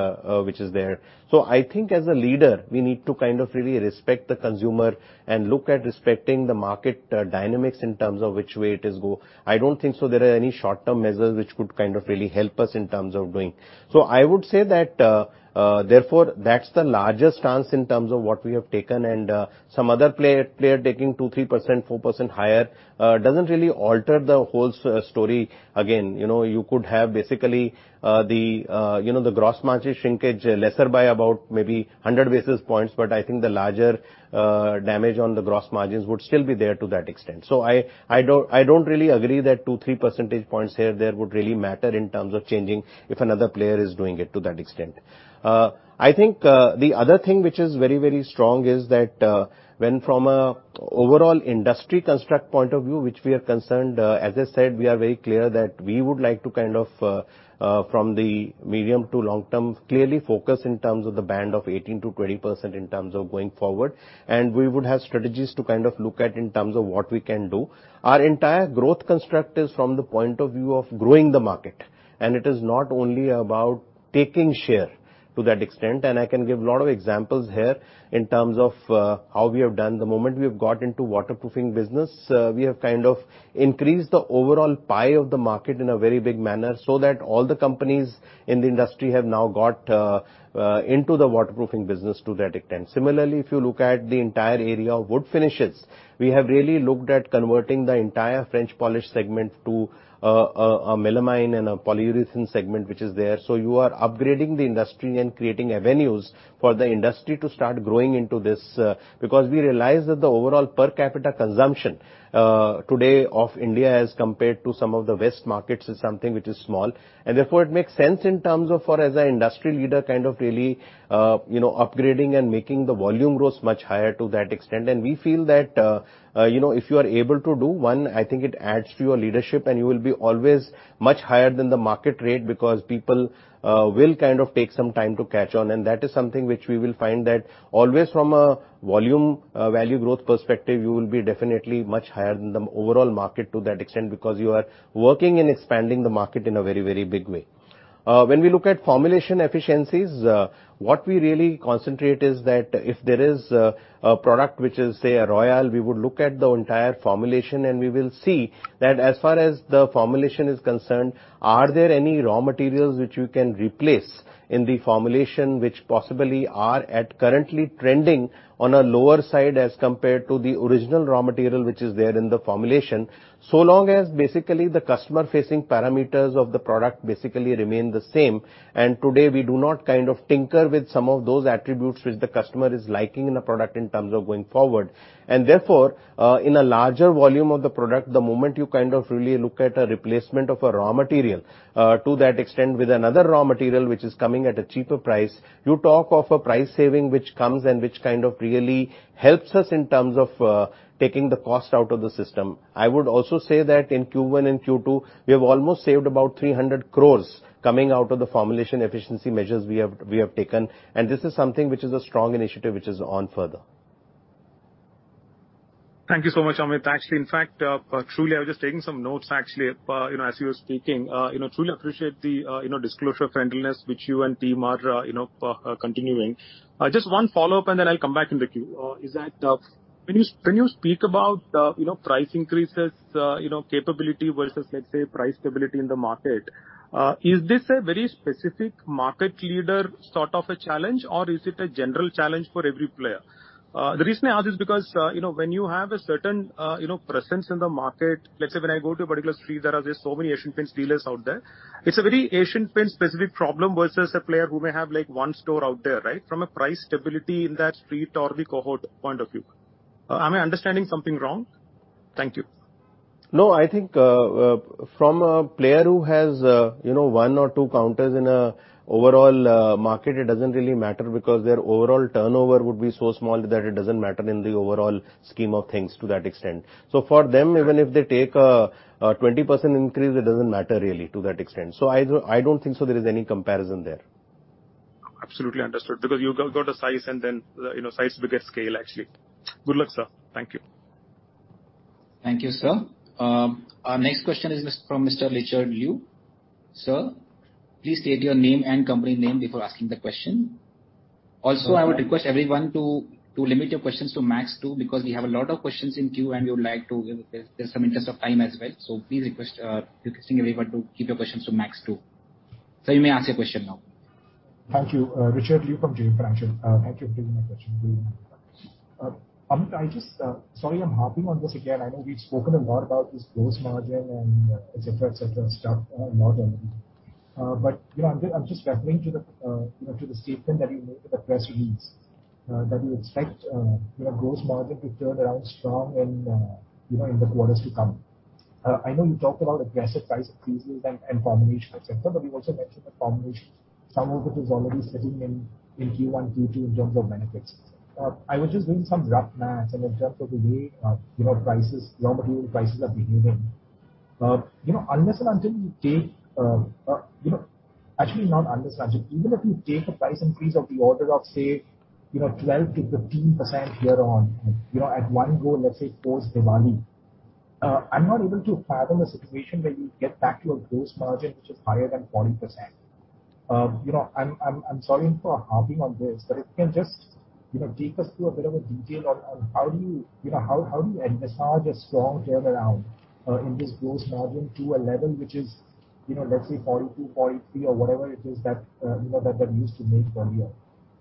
which is there. I think as a leader, we need to really respect the consumer and look at respecting the market dynamics in terms of which way it is go. I don't think so there are any short-term measures which could really help us in terms of doing. I would say that, therefore, that's the largest stance in terms of what we have taken and some other player taking 2, 3%, 4% higher doesn't really alter the whole story. Again, you could have basically the gross margin shrinkage lesser by about maybe 100 basis points, but I think the larger damage on the gross margins would still be there to that extent. I don't really agree that two, three percentage points here there would really matter in terms of changing if another player is doing it to that extent. I think the other thing which is very strong is that when from a overall industry construct point of view, which we are concerned, as I said, we are very clear that we would like to, from the medium to long term, clearly focus in terms of the band of 18%-20% in terms of going forward. We would have strategies to look at in terms of what we can do. Our entire growth construct is from the point of view of growing the market, and it is not only about taking share to that extent. I can give a lot of examples here in terms of how we have done. The moment we have got into waterproofing business, we have increased the overall pie of the market in a very big manner so that all the companies in the industry have now got into the waterproofing business to that extent. Similarly, if you look at the entire area of wood finishes, we have really looked at converting the entire French polish segment to a melamine and a polyurethane segment, which is there. You are upgrading the industry and creating avenues for the industry to start growing into this, because we realize that the overall per capita consumption today of India as compared to some of the West markets is something which is small. Therefore, it makes sense in terms of for as an industry leader, really upgrading and making the volume growth much higher to that extent. We feel that if you are able to do, one, I think it adds to your leadership, and you will be always much higher than the market rate because people will take some time to catch on. That is something which we will find that always from a volume value growth perspective, you will be definitely much higher than the overall market to that extent because you are working in expanding the market in a very big way. When we look at formulation efficiencies, what we really concentrate is that if there is a product which is, say, a Royale, we would look at the entire formulation, and we will see that as far as the formulation is concerned, are there any raw materials which you can replace in the formulation which possibly are at currently trending on a lower side as compared to the original raw material which is there in the formulation? So long as basically the customer-facing parameters of the product basically remain the same. Today, we do not tinker with some of those attributes which the customer is liking in a product in terms of going forward. Therefore, in a larger volume of the product, the moment you really look at a replacement of a raw material, to that extent with another raw material which is coming at a cheaper price, you talk of a price saving which comes and which really helps us in terms of taking the cost out of the system. I would also say that in Q1 and Q2, we have almost saved about 300 crores coming out of the formulation efficiency measures we have taken. This is something which is a strong initiative which is on further. Thank you so much, Amit. Actually, in fact, truly, I was just taking some notes actually as you were speaking. Truly appreciate the disclosure friendliness which you and team are continuing. Just one follow-up, and then I'll come back in the queue. Is that when you speak about price increases capability versus, let's say, price stability in the market, is this a very specific market leader sort of a challenge or is it a general challenge for every player? The reason I ask is because when you have a certain presence in the market, let's say when I go to a particular street, there are just so many Asian Paints dealers out there. It's a very Asian Paints specific problem versus a player who may have one store out there, right? From a price stability in that street or the cohort point of view. Am I understanding something wrong? Thank you. No, I think, from a player who has one or two counters in an overall market, it doesn't really matter because their overall turnover would be so small that it doesn't matter in the overall scheme of things to that extent. For them, even if they take a 20% increase, it doesn't matter really to that extent. I don't think so there is any comparison there. Absolutely understood. You got a size and then size begets scale, actually. Good luck, sir. Thank you. Thank you, sir. Our next question is from Mr. Richard Liu. Sir, please state your name and company name before asking the question. I would request everyone to limit your questions to max 2, because we have a lot of questions in queue and there's some interest of time as well. Requesting everyone to keep your questions to max 2. Sir, you may ask your question now. Thank you. Richard Liu from JM Financial. Thank you for taking my question. Amit, sorry I'm harping on this again. I know we've spoken a lot about this gross margin and et cetera, stuff a lot early. I'm just referring to the statement that you made in the press release. That you expect gross margin to turn around strong in the quarters to come. I know you talked about aggressive price increases and formulation, et cetera, you also mentioned that formulation, some of it is already sitting in Q1, Q2 in terms of benefits. I was just doing some rough math in terms of the way raw material prices are behaving. Actually not understand. Even if you take a price increase of the order of, say, 12%-15% here on at one go, let's say post-Diwali. I'm not able to fathom a situation where you get back to a gross margin which is higher than 40%. I'm sorry for harping on this, if you can just take us through a bit of a detail on how do you envisage a strong turnaround in this gross margin to a level which is let's say 42, 43 or whatever it is that used to make earlier.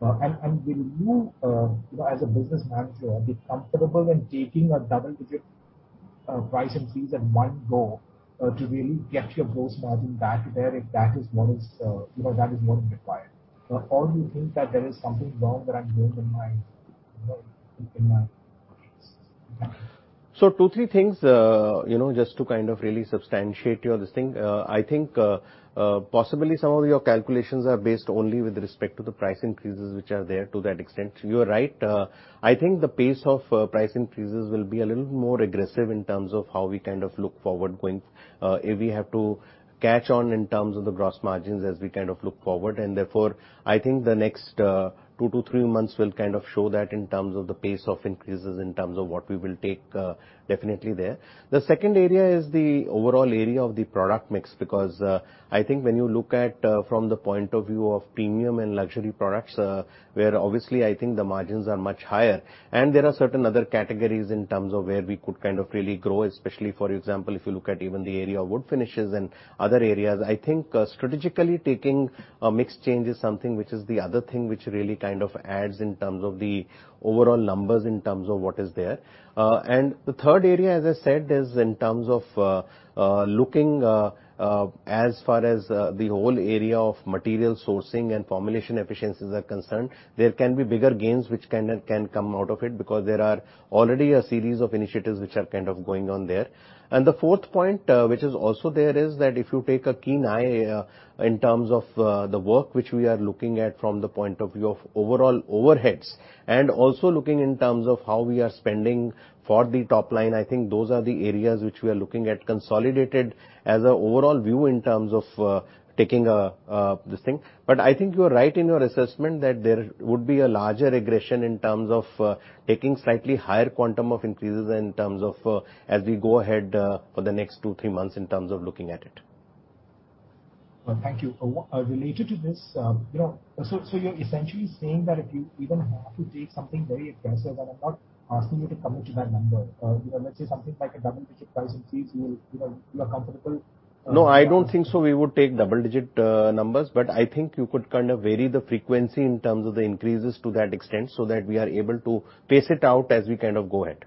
Will you, as a business manager, be comfortable in taking a double-digit price increase at one go to really get your gross margin back there if that is what is required? Do you think that there is something wrong that I'm doing in my. two, three things, just to kind of really substantiate your this thing. I think, possibly some of your calculations are based only with respect to the price increases which are there to that extent. You are right. I think the pace of price increases will be a little more aggressive in terms of how we kind of look forward going. If we have to catch on in terms of the gross margins as we kind of look forward, and therefore, I think the next two to three months will kind of show that in terms of the pace of increases, in terms of what we will take, definitely there. The second area is the overall area of the product mix, because I think when you look at from the point of view of premium and luxury products, where obviously I think the margins are much higher. There are certain other categories in terms of where we could kind of really grow, especially, for example, if you look at even the area of wood finishes and other areas. I think strategically taking a mix change is something which is the other thing which really kind of adds in terms of the overall numbers, in terms of what is there. The third area, as I said, is in terms of looking as far as the whole area of material sourcing and formulation efficiencies are concerned. There can be bigger gains which can come out of it, because there are already a series of initiatives which are kind of going on there. The fourth point, which is also there, is that if you take a keen eye in terms of the work which we are looking at from the point of view of overall overheads, and also looking in terms of how we are spending for the top line. I think those are the areas which we are looking at consolidated as a overall view in terms of taking this thing. I think you're right in your assessment that there would be a larger aggression in terms of taking slightly higher quantum of increases as we go ahead for the next two, three months in terms of looking at it. Well, thank you. Related to this, you're essentially saying that if you even have to take something very aggressive, and I'm not asking you to commit to that number. Let's say something like a double-digit price increase, you're comfortable- No, I don't think so we would take double-digit numbers, but I think you could kind of vary the frequency in terms of the increases to that extent, so that we are able to pace it out as we kind of go ahead.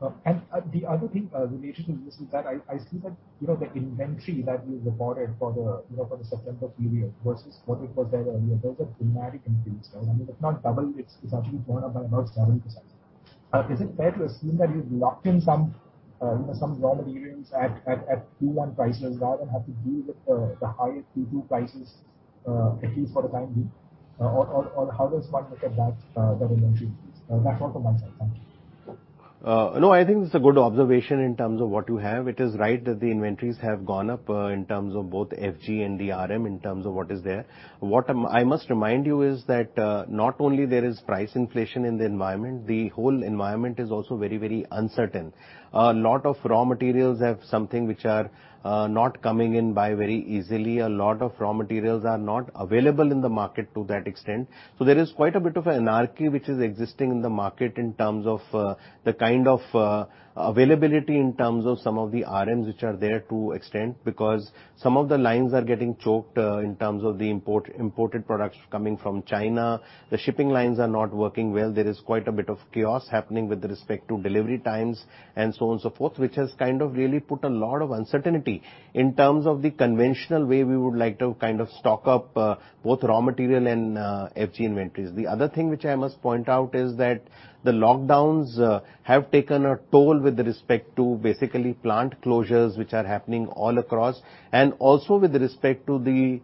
The other thing related to this is that I see that the inventory that you reported for the September period versus what it was there earlier, there's a dramatic increase. I mean, if not double, it's actually gone up by about 70%. Is it fair to assume that you've locked in some raw materials at Q1 prices rather than have to deal with the higher Q2 prices, at least for the time being? How does one look at that inventory increase? That's all from my side. Thank you. No, I think it's a good observation in terms of what you have. It is right that the inventories have gone up in terms of both FG and the RM, in terms of what is there. What I must remind you is that not only there is price inflation in the environment, the whole environment is also very uncertain. A lot of raw materials have something which are not coming in very easily. A lot of raw materials are not available in the market to that extent. There is quite a bit of anarchy which is existing in the market in terms of the kind of availability in terms of some of the RMs, which are there to extent, because some of the lines are getting choked in terms of the imported products coming from China. The shipping lines are not working well. There is quite a bit of chaos happening with respect to delivery times, and so on and so forth, which has really put a lot of uncertainty. In terms of the conventional way we would like to stock up both raw material and FG inventories. The other thing which I must point out is that the lockdowns have taken a toll with respect to basically plant closures, which are happening all across, and also with respect to the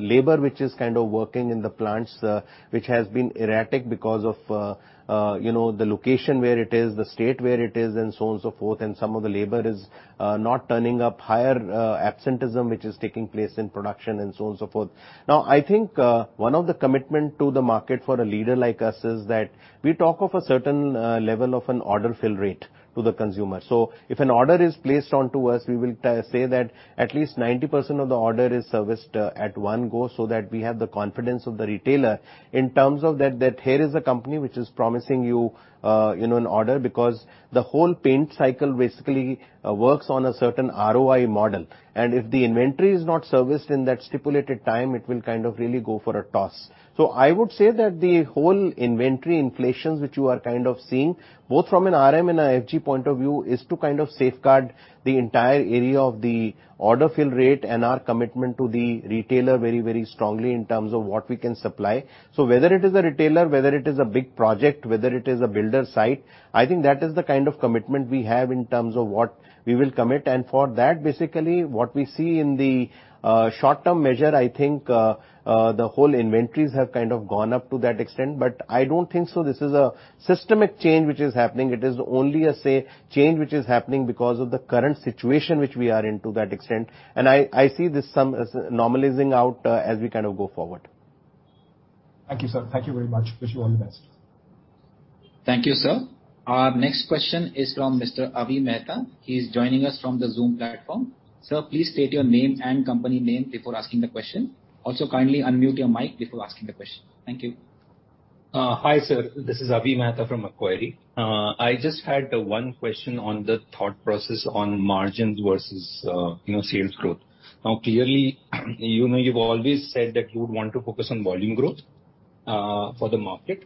labor, which is kind of working in the plants, which has been erratic because of the location where it is, the state where it is, and so on and so forth, and some of the labor is not turning up. Higher absenteeism, which is taking place in production, and so on and so forth. I think one of the commitment to the market for a leader like us is that we talk of a certain level of an order fill rate to the consumer. If an order is placed onto us, we will say that at least 90% of the order is serviced at one go so that we have the confidence of the retailer in terms of that here is a company which is promising you an order, because the whole paint cycle basically works on a certain ROI model, and if the inventory is not serviced in that stipulated time, it will really go for a toss. I would say that the whole inventory inflations which you are seeing, both from an RM and a FG point of view, is to safeguard the entire area of the order fill rate and our commitment to the retailer very strongly in terms of what we can supply. Whether it is a retailer, whether it is a big project, whether it is a builder site, I think that is the kind of commitment we have in terms of what we will commit. For that, basically, what we see in the short-term measure, I think the whole inventories have gone up to that extent. I don't think so this is a systemic change which is happening. It is only a change which is happening because of the current situation which we are in to that extent. I see this normalizing out as we go forward. Thank you, sir. Thank you very much. Wish you all the best. Thank you, sir. Our next question is from Mr. Avi Mehta. He is joining us from the Zoom platform. Sir, please state your name and company name before asking the question. Also, kindly unmute your mic before asking the question. Thank you. Hi, sir. This is Avi Mehta from Macquarie. I just had one question on the thought process on margins versus sales growth. Clearly, you've always said that you would want to focus on volume growth for the market.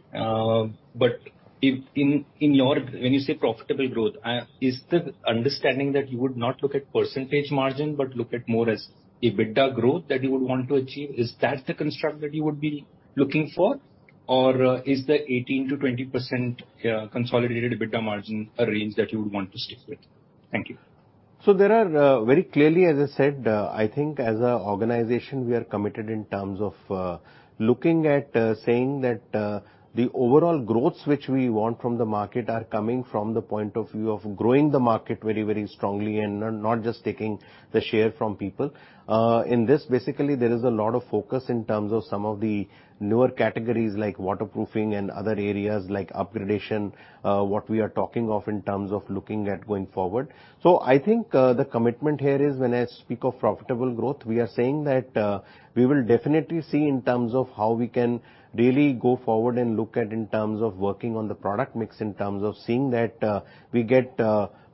When you say profitable growth, is the understanding that you would not look at percentage margin but look at more as EBITDA growth that you would want to achieve? Is that the construct that you would be looking for? Is the 18%-20% consolidated EBITDA margin a range that you would want to stick with? Thank you. There are very clearly, as I said, I think as an organization, we are committed in terms of looking at saying that the overall growths which we want from the market are coming from the point of view of growing the market very strongly and not just taking the share from people. In this, basically, there is a lot of focus in terms of some of the newer categories like waterproofing and other areas like upgradation, what we are talking of in terms of looking at going forward. I think the commitment here is when I speak of profitable growth, we are saying that we will definitely see in terms of how we can really go forward and look at in terms of working on the product mix, in terms of seeing that we get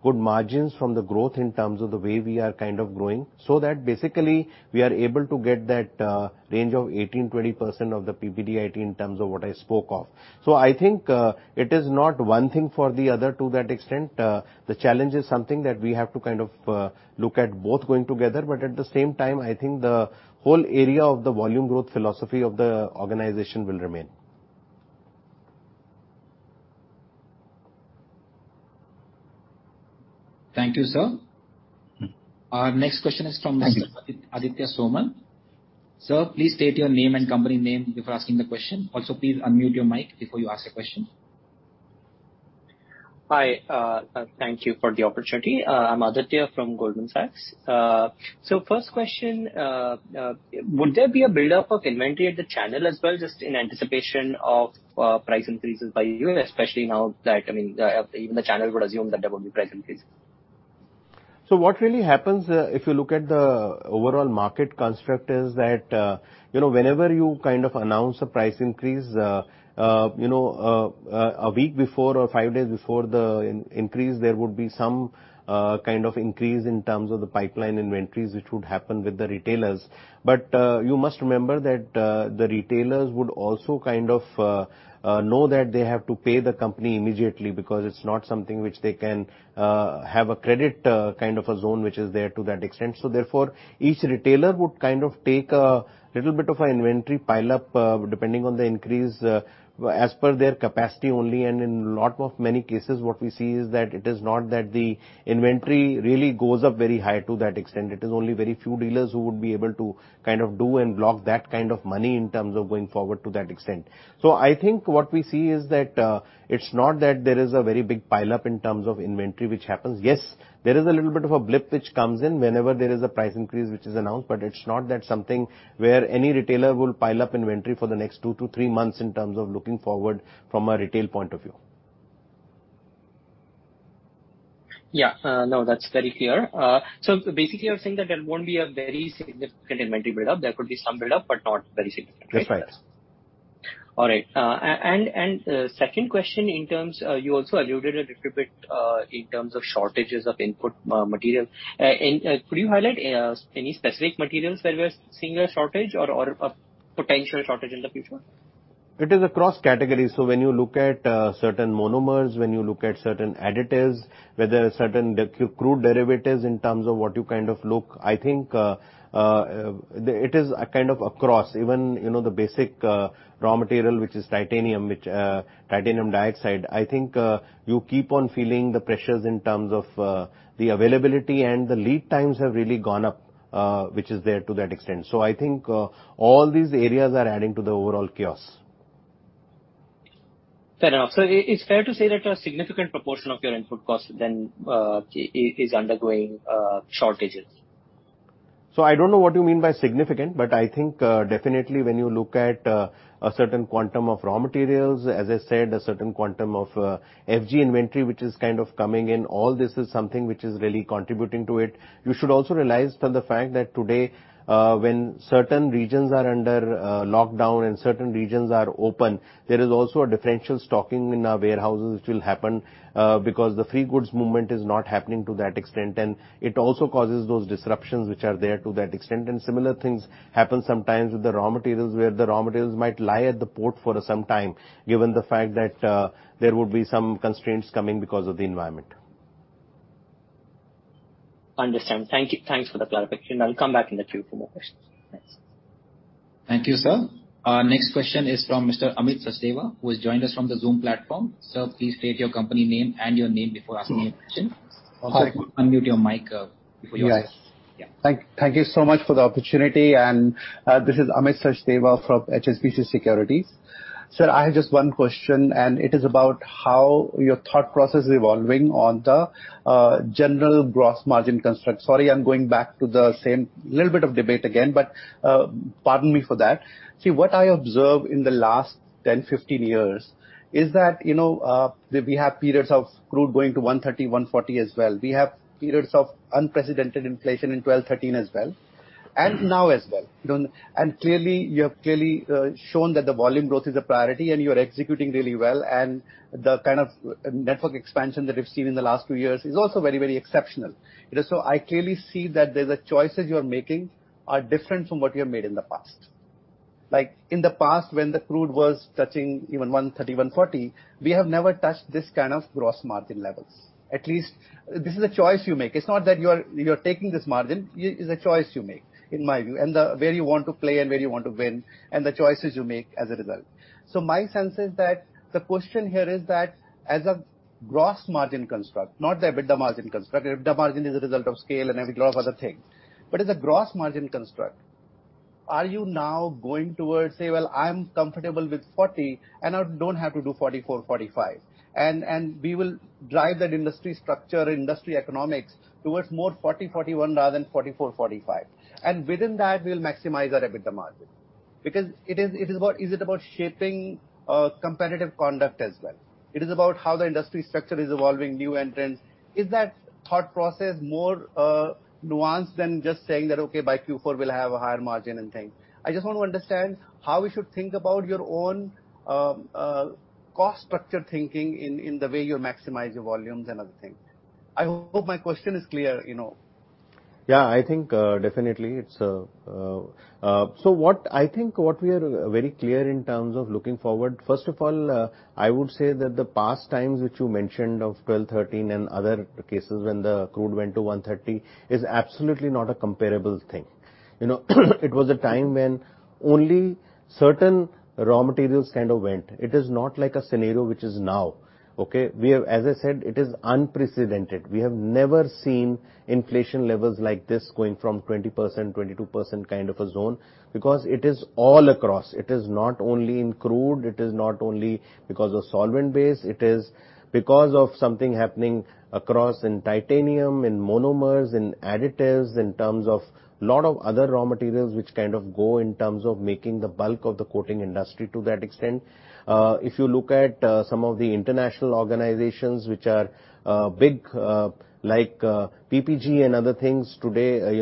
good margins from the growth in terms of the way we are growing. That basically we are able to get that range of 18%-20% of the PBDIT in terms of what I spoke of. I think it is not one thing for the other to that extent. The challenge is something that we have to look at both going together. At the same time, I think the whole area of the volume growth philosophy of the organization will remain. Thank you, sir. Thank you. Our next question is from Mr. Aditya Soman. Sir, please state your name and company name before asking the question. Also, please unmute your mic before you ask the question. Hi. Thank you for the opportunity. I'm Aditya from Goldman Sachs. First question, would there be a buildup of inventory at the channel as well, just in anticipation of price increases by you, especially now that, even the channel would assume that there would be price increases? What really happens, if you look at the overall market construct, is that whenever you announce a price increase, a week before or five days before the increase, there would be some kind of increase in terms of the pipeline inventories, which would happen with the retailers. You must remember that the retailers would also know that they have to pay the company immediately, because it's not something which they can have a credit kind of a zone, which is there to that extent. Therefore, each retailer would take a little bit of an inventory pileup, depending on the increase, as per their capacity only. In lot of many cases, what we see is that it is not that the inventory really goes up very high to that extent. It is only very few dealers who would be able to do and block that kind of money in terms of going forward to that extent. I think what we see is that it's not that there is a very big pileup in terms of inventory which happens. Yes, there is a little bit of a blip which comes in whenever there is a price increase which is announced, but it's not that something where any retailer will pile up inventory for the next two to three months in terms of looking forward from a retail point of view. Yeah. No, that's very clear. Basically, you're saying that there won't be a very significant inventory build-up. There could be some build-up, but not very significant. That's right. All right. Second question, you also alluded a little bit in terms of shortages of input material. Could you highlight any specific materials where we are seeing a shortage or a potential shortage in the future? It is across categories. When you look at certain monomers, when you look at certain additives, whether certain crude derivatives in terms of what you kind of look, I think it is kind of across even the basic raw material, which is titanium dioxide. I think you keep on feeling the pressures in terms of the availability, the lead times have really gone up, which is there to that extent. I think all these areas are adding to the overall chaos. Fair enough. It's fair to say that a significant proportion of your input cost then is undergoing shortages. I don't know what you mean by significant, but I think definitely when you look at a certain quantum of raw materials, as I said, a certain quantum of FG inventory, which is kind of coming in, all this is something which is really contributing to it. You should also realize the fact that today, when certain regions are under lockdown and certain regions are open, there is also a differential stocking in our warehouses which will happen because the free goods movement is not happening to that extent, and it also causes those disruptions which are there to that extent, and similar things happen sometimes with the raw materials, where the raw materials might lie at the port for some time, given the fact that there would be some constraints coming because of the environment. Understand. Thanks for the clarification. I'll come back in the queue for more questions. Thanks. Thank you, sir. Our next question is from Mr. Amit Sachdeva, who has joined us from the Zoom platform. Sir, please state your company name and your name before asking your question. Also, unmute your mic before you ask. Yes. Yeah. Thank you so much for the opportunity. This is Amit Sachdeva from HSBC Securities. Sir, I have just one question, and it is about how your thought process is evolving on the general gross margin construct. Sorry, I'm going back to the same little bit of debate again, but pardon me for that. What I observed in the last 10, 15 years is that, we have periods of crude going to 130, 140 as well. We have periods of unprecedented inflation in 2012, 2013 as well, and now as well. You have clearly shown that the volume growth is a priority, and you are executing really well, and the kind of network expansion that we've seen in the last two years is also very exceptional. I clearly see that the choices you're making are different from what you have made in the past. Like in the past, when the crude was touching even 130-140, we have never touched this kind of gross margin levels. At least this is a choice you make. It's not that you are taking this margin. It's a choice you make, in my view, and where you want to play and where you want to win, and the choices you make as a result. My sense is that the question here is that as a gross margin construct, not the EBITDA margin construct. The EBITDA margin is a result of scale and every lot of other things. As a gross margin construct, are you now going towards, say, "Well, I'm comfortable with 40%, and I don't have to do 44%, 45%." We will drive that industry structure, industry economics towards more 40%, 41% rather than 44%, 45%. Within that, we'll maximize our EBITDA margin. Is it about shaping competitive conduct as well? It is about how the industry structure is evolving, new entrants. Is that thought process more nuanced than just saying that, "Okay, by Q4 we'll have a higher margin and things." I just want to understand how we should think about your own cost structure thinking in the way you maximize your volumes and other things. I hope my question is clear. Yeah, I think definitely. I think what we are very clear in terms of looking forward, first of all, I would say that the past times which you mentioned of 2012, 2013, and other cases when the crude went to 130 is absolutely not a comparable thing. It was a time when only certain raw materials kind of went. It is not like a scenario which is now, okay. As I said, it is unprecedented. We have never seen inflation levels like this going from 20%, 22% kind of a zone because it is all across. It is not only in crude, it is not only because of solvent base, it is because of something happening across in titanium, in monomers, in additives, in terms of lot of other raw materials which kind of go in terms of making the bulk of the coating industry to that extent. If you look at some of the international organizations which are big, like PPG and other things today,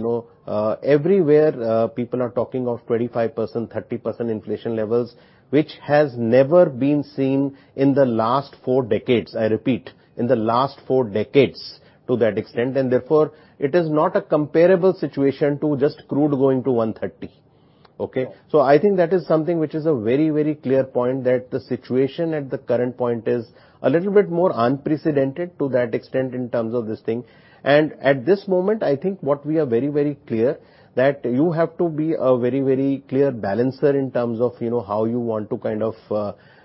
everywhere, people are talking of 25%, 30% inflation levels, which has never been seen in the last four decades, I repeat, in the last four decades to that extent. Therefore, it is not a comparable situation to just crude going to $130. Okay. I think that is something which is a very clear point, that the situation at the current point is a little bit more unprecedented to that extent in terms of this thing. At this moment, I think what we are very clear, that you have to be a very clear balancer in terms of how you want to kind of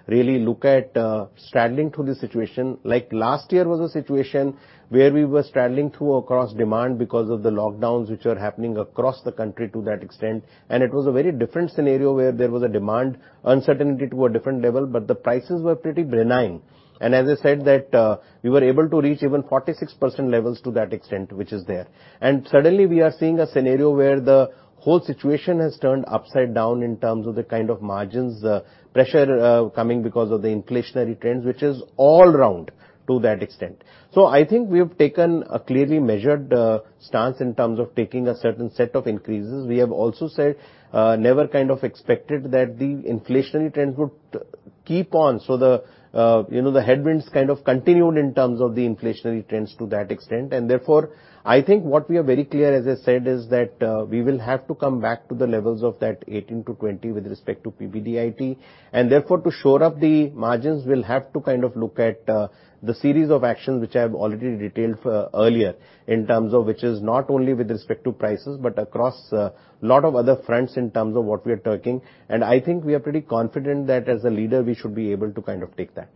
really look at straddling through this situation. Like last year was a situation where we were straddling through across demand because of the lockdowns which were happening across the country to that extent. It was a very different scenario where there was a demand uncertainty to a different level, but the prices were pretty benign. As I said, that we were able to reach even 46% levels to that extent, which is there. Suddenly we are seeing a scenario where the whole situation has turned upside down in terms of the kind of margins pressure coming because of the inflationary trends, which is all round to that extent. I think we have taken a clearly measured stance in terms of taking a certain set of increases. We have also said, never kind of expected that the inflationary trends would keep on. The headwinds kind of continued in terms of the inflationary trends to that extent. Therefore, I think what we are very clear, as I said, is that we will have to come back to the levels of that 18%-20% with respect to PBDIT. Therefore, to shore up the margins, we'll have to look at the series of actions which I have already detailed earlier, in terms of which is not only with respect to prices, but across a lot of other fronts in terms of what we are talking. I think we are pretty confident that as a leader, we should be able to take that.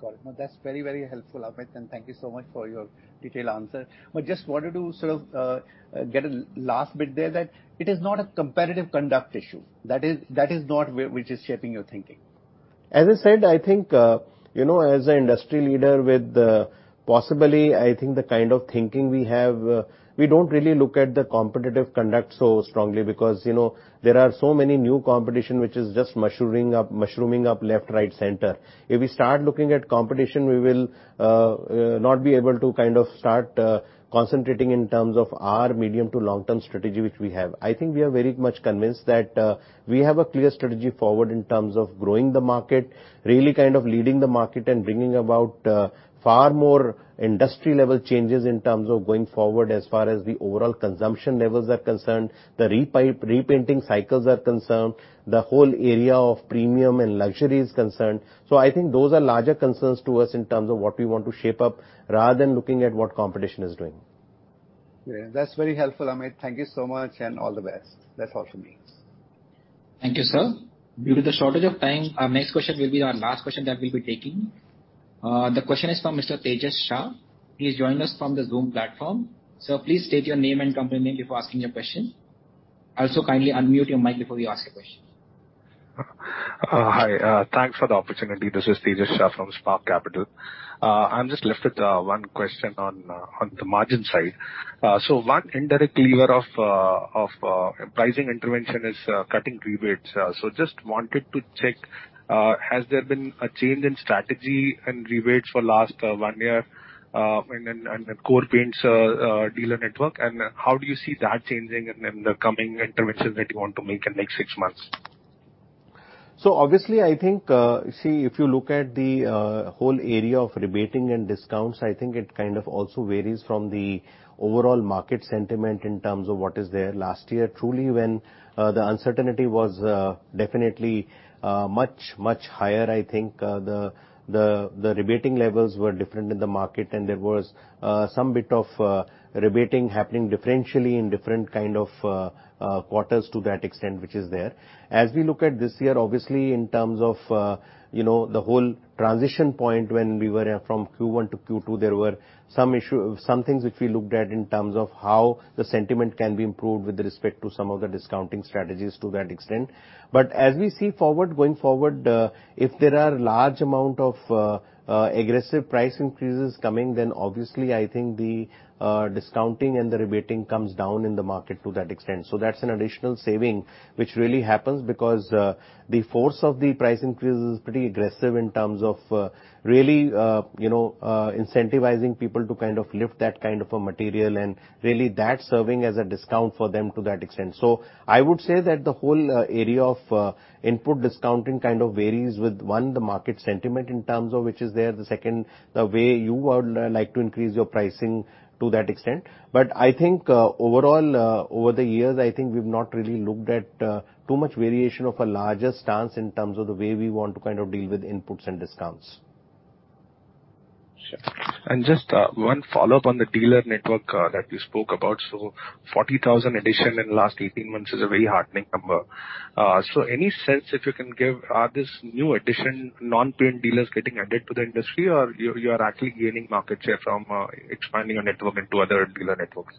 Got it. No, that's very, very helpful, Amit, and thank you so much for your detailed answer. Just wanted to sort of get a last bit there, that it is not a competitive conduct issue. That is not which is shaping your thinking. As I said, I think, as an industry leader with possibly, I think the kind of thinking we have, we don't really look at the competitive conduct so strongly because there are so many new competition which is just mushrooming up left, right, center. If we start looking at competition, we will not be able to start concentrating in terms of our medium to long-term strategy, which we have. I think we are very much convinced that we have a clear strategy forward in terms of growing the market, really leading the market, and bringing about far more industry-level changes in terms of going forward as far as the overall consumption levels are concerned, the repainting cycles are concerned, the whole area of premium and luxury is concerned. I think those are larger concerns to us in terms of what we want to shape up rather than looking at what competition is doing. Great. That's very helpful, Amit. Thank you so much and all the best. That's all from me. Thank you, sir. Due to the shortage of time, our next question will be our last question that we'll be taking. The question is from Mr. Tejas Shah. He is joining us from the Zoom platform. Sir, please state your name and company name before asking your question. Also, kindly unmute your mic before you ask your question. Hi. Thanks for the opportunity. This is Tejas Shah from Spark Capital. I'm just left with one question on the margin side. one indirect lever of pricing intervention is cutting rebates. Just wanted to check, has there been a change in strategy and rebates for last one year, and then core paints dealer network, and how do you see that changing in the coming interventions that you want to make in next six months? Obviously, I think, see, if you look at the whole area of rebating and discounts, I think it kind of also varies from the overall market sentiment in terms of what is there. Last year, truly, when the uncertainty was definitely much, much higher, I think, the rebating levels were different in the market and there was some bit of rebating happening differentially in different kind of quarters to that extent. As we look at this year, obviously, in terms of the whole transition point when we were from Q1 to Q2, there were some things which we looked at in terms of how the sentiment can be improved with respect to some of the discounting strategies to that extent. As we see forward, going forward, if there are large amount of aggressive price increases coming, then obviously, I think the discounting and the rebating comes down in the market to that extent. That's an additional saving which really happens because the force of the price increase is pretty aggressive in terms of really incentivizing people to lift that kind of a material and really that serving as a discount for them to that extent. I would say that the whole area of input discounting kind of varies with, one, the market sentiment in terms of which is there. The second, the way you would like to increase your pricing to that extent. I think overall, over the years, I think we've not really looked at too much variation of a larger stance in terms of the way we want to deal with inputs and discounts. Sure. Just one follow-up on the dealer network that you spoke about. 40,000 addition in last 18 months is a very heartening number. Any sense if you can give, are these new additions non-paint dealers getting added to the industry or you are actually gaining market share from expanding your network into other dealer networks?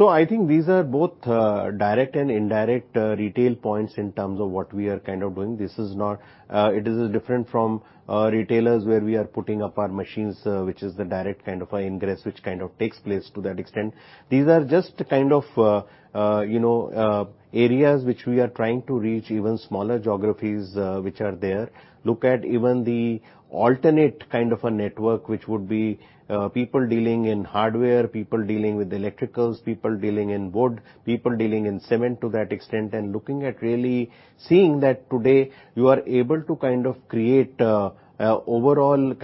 I think these are both direct and indirect retail points in terms of what we are doing. It is different from retailers where we are putting up our machines, which is the direct kind of a ingress which takes place to that extent. These are just kind of areas which we are trying to reach, even smaller geographies which are there. Look at even the alternate kind of a network, which would be people dealing in hardware, people dealing with electricals, people dealing in wood, people dealing in cement to that extent, and looking at really seeing that today you are able to create a overall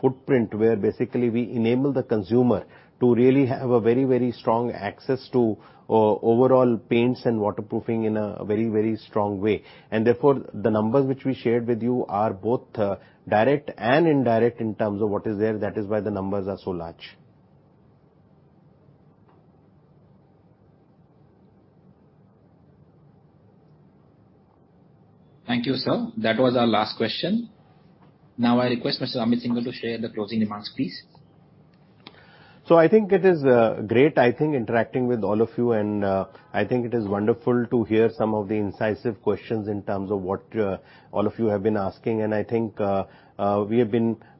footprint where basically we enable the consumer to really have a very, very strong access to overall paints and waterproofing in a very, very strong way. Therefore, the numbers which we shared with you are both direct and indirect in terms of what is there. That is why the numbers are so large. Thank you, sir. That was our last question. Now I request Mr. Amit Syngle to share the closing remarks, please. I think it is great interacting with all of you, and I think it is wonderful to hear some of the incisive questions in terms of what all of you have been asking. I think I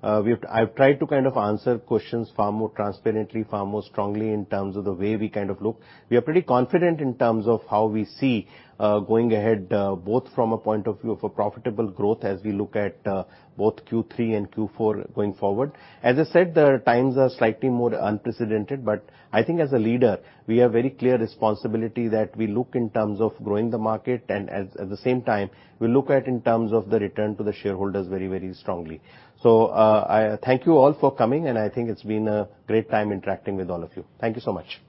have tried to answer questions far more transparently, far more strongly in terms of the way we look. We are pretty confident in terms of how we see going ahead, both from a point of view of a profitable growth as we look at both Q3 and Q4 going forward. As I said, the times are slightly more unprecedented, but I think as a leader, we have very clear responsibility that we look in terms of growing the market, and at the same time, we look at in terms of the return to the shareholders very, very strongly. Thank you all for coming, and I think it's been a great time interacting with all of you. Thank you so much.